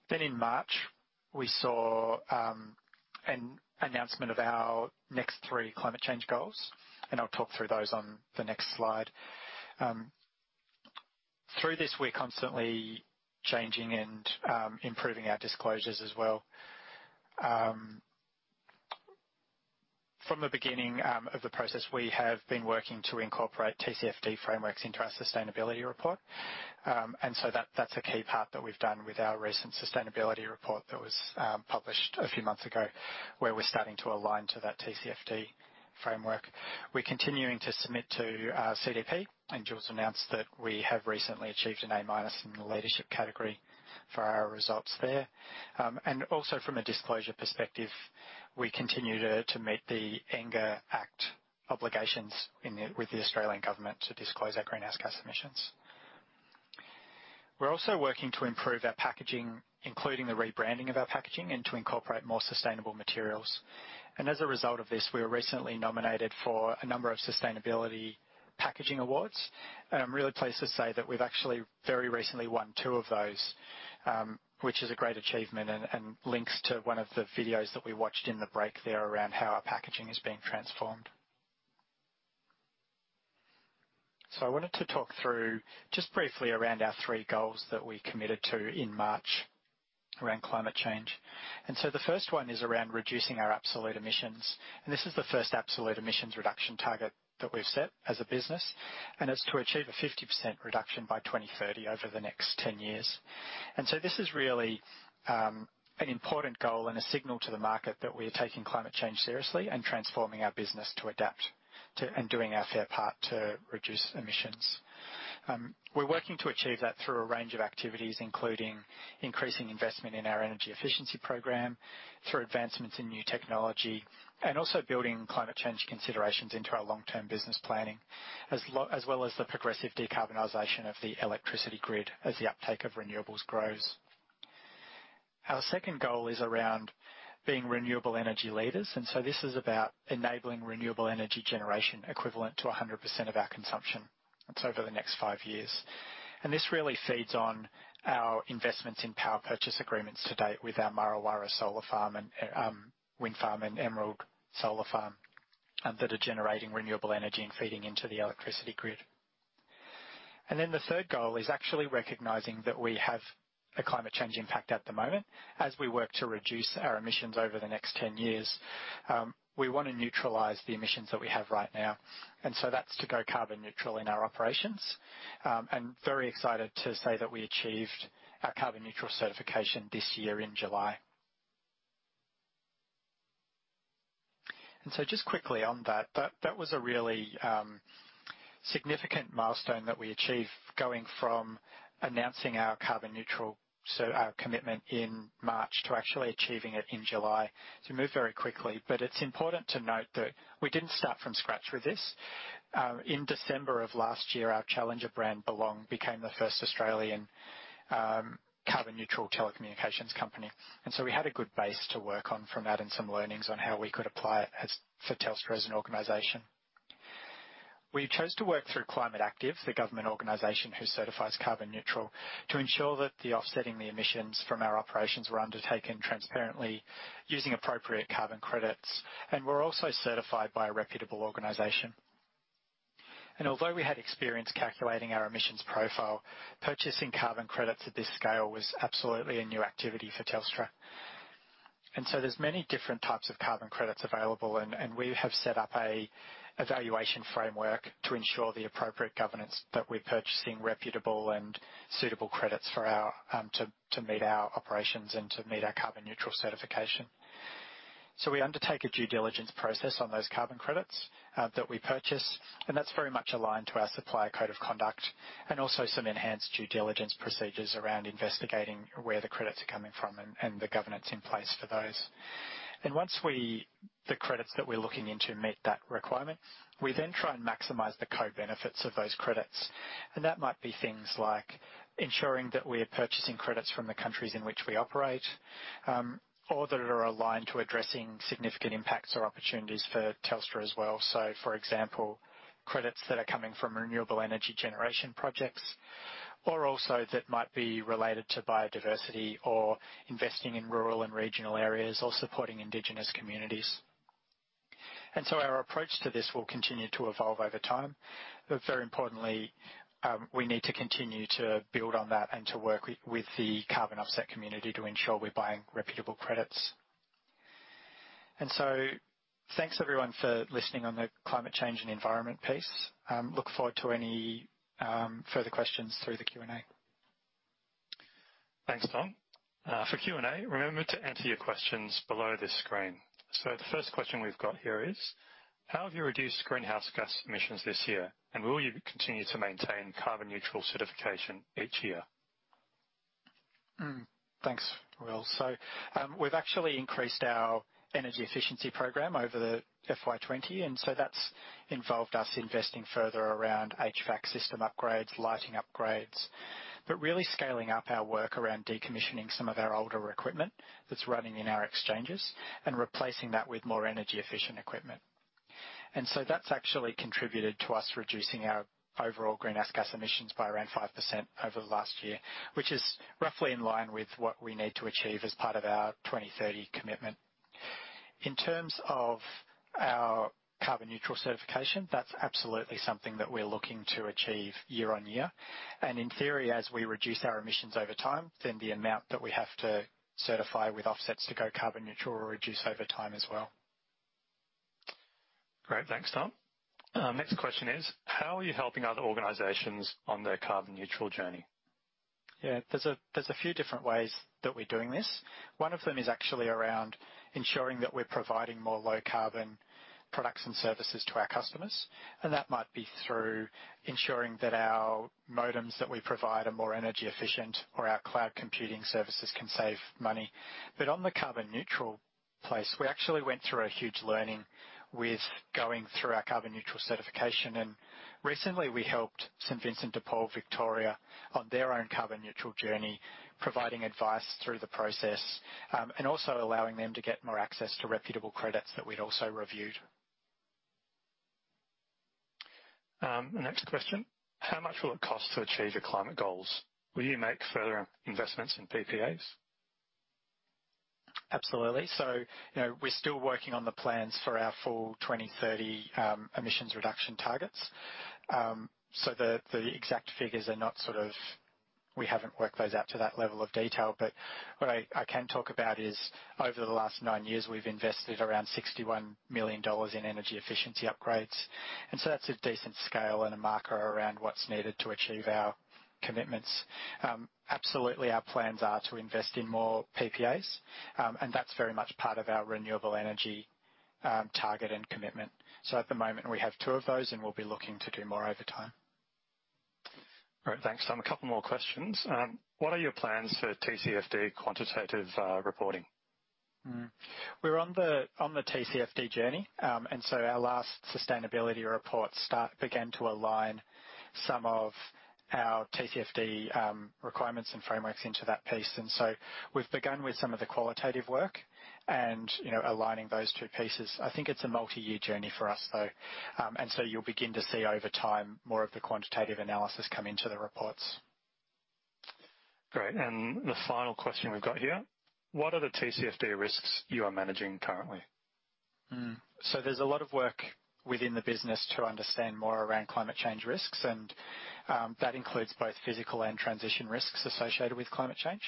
Then in March, we saw an announcement of our next three climate change goals, and I'll talk through those on the next slide. Through this, we're constantly changing and improving our disclosures as well. From the beginning of the process, we have been working to incorporate TCFD frameworks into our sustainability report. And so that's a key part that we've done with our recent sustainability report that was published a few months ago where we're starting to align to that TCFD framework. We're continuing to submit to CDP, and Jules announced that we have recently achieved an A- in the leadership category for our results there. Also from a disclosure perspective, we continue to meet the NGERS Act obligations with the Australian government to disclose our greenhouse gas emissions. We're also working to improve our packaging, including the rebranding of our packaging, and to incorporate more sustainable materials. And as a result of this, we were recently nominated for a number of sustainability packaging awards. And I'm really pleased to say that we've actually very recently won two of those, which is a great achievement and links to one of the videos that we watched in the break there around how our packaging is being transformed. So I wanted to talk through just briefly around our three goals that we committed to in March around climate change. And so the first one is around reducing our absolute emissions. This is the first absolute emissions reduction target that we've set as a business, and it's to achieve a 50% reduction by 2030 over the next 10 years. So this is really an important goal and a signal to the market that we're taking climate change seriously and transforming our business to adapt and doing our fair part to reduce emissions. We're working to achieve that through a range of activities, including increasing investment in our energy efficiency program, through advancements in new technology, and also building climate change considerations into our long-term business planning as well as the progressive decarbonization of the electricity grid as the uptake of renewables grows. Our second goal is around being renewable energy leaders. This is about enabling renewable energy generation equivalent to 100% of our consumption. That's over the next 5 years. This really feeds on our investments in power purchase agreements to date with our Murra Warra solar farm, wind farm, and Emerald solar farm that are generating renewable energy and feeding into the electricity grid. Then the third goal is actually recognizing that we have a climate change impact at the moment. As we work to reduce our emissions over the next 10 years, we want to neutralize the emissions that we have right now. So that's to go carbon neutral in our operations. Very excited to say that we achieved our carbon neutral certification this year in July. So just quickly on that, that was a really significant milestone that we achieved going from announcing our carbon neutral commitment in March to actually achieving it in July. So we moved very quickly, but it's important to note that we didn't start from scratch with this. In December of last year, our challenger brand, Belong, became the first Australian carbon neutral telecommunications company. So we had a good base to work on from that and some learnings on how we could apply it for Telstra as an organization. We chose to work through Climate Active, the government organization who certifies carbon neutral, to ensure that the offsetting of the emissions from our operations were undertaken transparently using appropriate carbon credits. We're also certified by a reputable organization. Although we had experience calculating our emissions profile, purchasing carbon credits at this scale was absolutely a new activity for Telstra. So there's many different types of carbon credits available, and we have set up an evaluation framework to ensure the appropriate governance that we're purchasing reputable and suitable credits for us to meet our operations and to meet our carbon neutral certification. So we undertake a due diligence process on those carbon credits that we purchase, and that's very much aligned to our Supplier Code of Conduct and also some enhanced due diligence procedures around investigating where the credits are coming from and the governance in place for those. And once the credits that we're looking into meet that requirement, we then try and maximize the co-benefits of those credits. And that might be things like ensuring that we are purchasing credits from the countries in which we operate or that are aligned to addressing significant impacts or opportunities for Telstra as well. So, for example, credits that are coming from renewable energy generation projects or also that might be related to biodiversity or investing in rural and regional areas or supporting indigenous communities. And so our approach to this will continue to evolve over time. But very importantly, we need to continue to build on that and to work with the carbon offset community to ensure we're buying reputable credits. And so thanks, everyone, for listening on the climate change and environment piece. Look forward to any further questions through the Q&A. Thanks, Tom. For Q&A, remember to answer your questions below this screen. So the first question we've got here is, how have you reduced greenhouse gas emissions this year, and will you continue to maintain carbon neutral certification each year? Thanks, Will. So we've actually increased our energy efficiency program over the FY2020, and so that's involved us investing further around HVAC system upgrades, lighting upgrades, but really scaling up our work around decommissioning some of our older equipment that's running in our exchanges and replacing that with more energy-efficient equipment. And so that's actually contributed to us reducing our overall greenhouse gas emissions by around 5% over the last year, which is roughly in line with what we need to achieve as part of our 2030 commitment. In terms of our carbon neutral certification, that's absolutely something that we're looking to achieve year on year. And in theory, as we reduce our emissions over time, then the amount that we have to certify with offsets to go carbon neutral will reduce over time as well. Great. Thanks, Tom. Next question is, how are you helping other organizations on their carbon neutral journey? Yeah. There's a few different ways that we're doing this. One of them is actually around ensuring that we're providing more low-carbon products and services to our customers. And that might be through ensuring that our modems that we provide are more energy-efficient or our cloud computing services can save money. But on the carbon neutral place, we actually went through a huge learning with going through our carbon neutral certification. And recently, we helped St. Vincent de Paul Society Victoria on their own carbon neutral journey, providing advice through the process and also allowing them to get more access to reputable credits that we'd also reviewed. The next question, how much will it cost to achieve your climate goals? Will you make further investments in PPAs? Absolutely. So we're still working on the plans for our full 2030 emissions reduction targets. So the exact figures are not sort of we haven't worked those out to that level of detail. But what I can talk about is, over the last nine years, we've invested around 61 million dollars in energy efficiency upgrades. And so that's a decent scale and a marker around what's needed to achieve our commitments. Absolutely, our plans are to invest in more PPAs, and that's very much part of our renewable energy target and commitment. So at the moment, we have two of those, and we'll be looking to do more over time. Great. Thanks, Tom. A couple more questions. What are your plans for TCFD quantitative reporting? We're on the TCFD journey, and so our last sustainability report began to align some of our TCFD requirements and frameworks into that piece. And so we've begun with some of the qualitative work and aligning those two pieces. I think it's a multi-year journey for us, though. And so you'll begin to see over time more of the quantitative analysis come into the reports. Great. And the final question we've got here, what are the TCFD risks you are managing currently? There's a lot of work within the business to understand more around climate change risks, and that includes both physical and transition risks associated with climate change.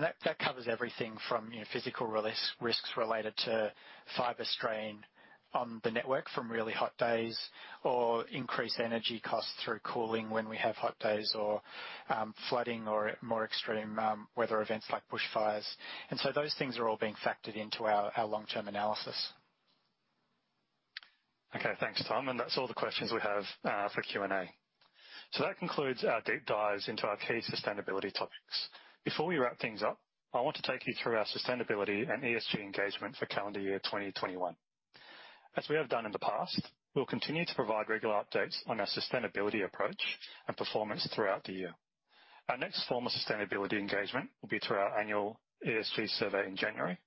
That covers everything from physical risks related to fibre strain on the network from really hot days or increased energy costs through cooling when we have hot days or flooding or more extreme weather events like bushfires. Those things are all being factored into our long-term analysis. Okay. Thanks, Tom. And that's all the questions we have for Q&A. So that concludes our deep dives into our key sustainability topics. Before we wrap things up, I want to take you through our sustainability and ESG engagement for calendar year 2021. As we have done in the past, we'll continue to provide regular updates on our sustainability approach and performance throughout the year. Our next form of sustainability engagement will be through our annual ESG survey in January,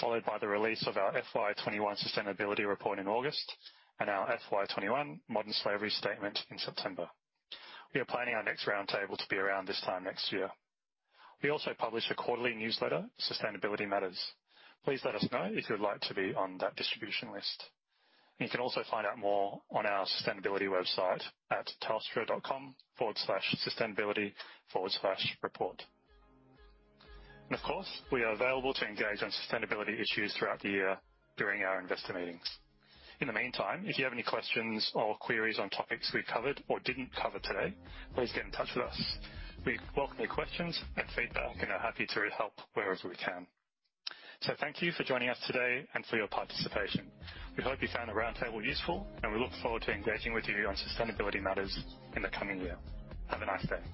followed by the release of our FY2021 sustainability report in August and our FY2021 modern slavery statement in September. We are planning our next roundtable to be around this time next year. We also publish a quarterly newsletter, Sustainability Matters. Please let us know if you'd like to be on that distribution list. And you can also find out more on our sustainability website at telstra.com/sustainability/report. Of course, we are available to engage on sustainability issues throughout the year during our investor meetings. In the meantime, if you have any questions or queries on topics we covered or didn't cover today, please get in touch with us. We welcome your questions and feedback, and are happy to help wherever we can. Thank you for joining us today and for your participation. We hope you found the roundtable useful, and we look forward to engaging with you on Sustainability Matters in the coming year. Have a nice day.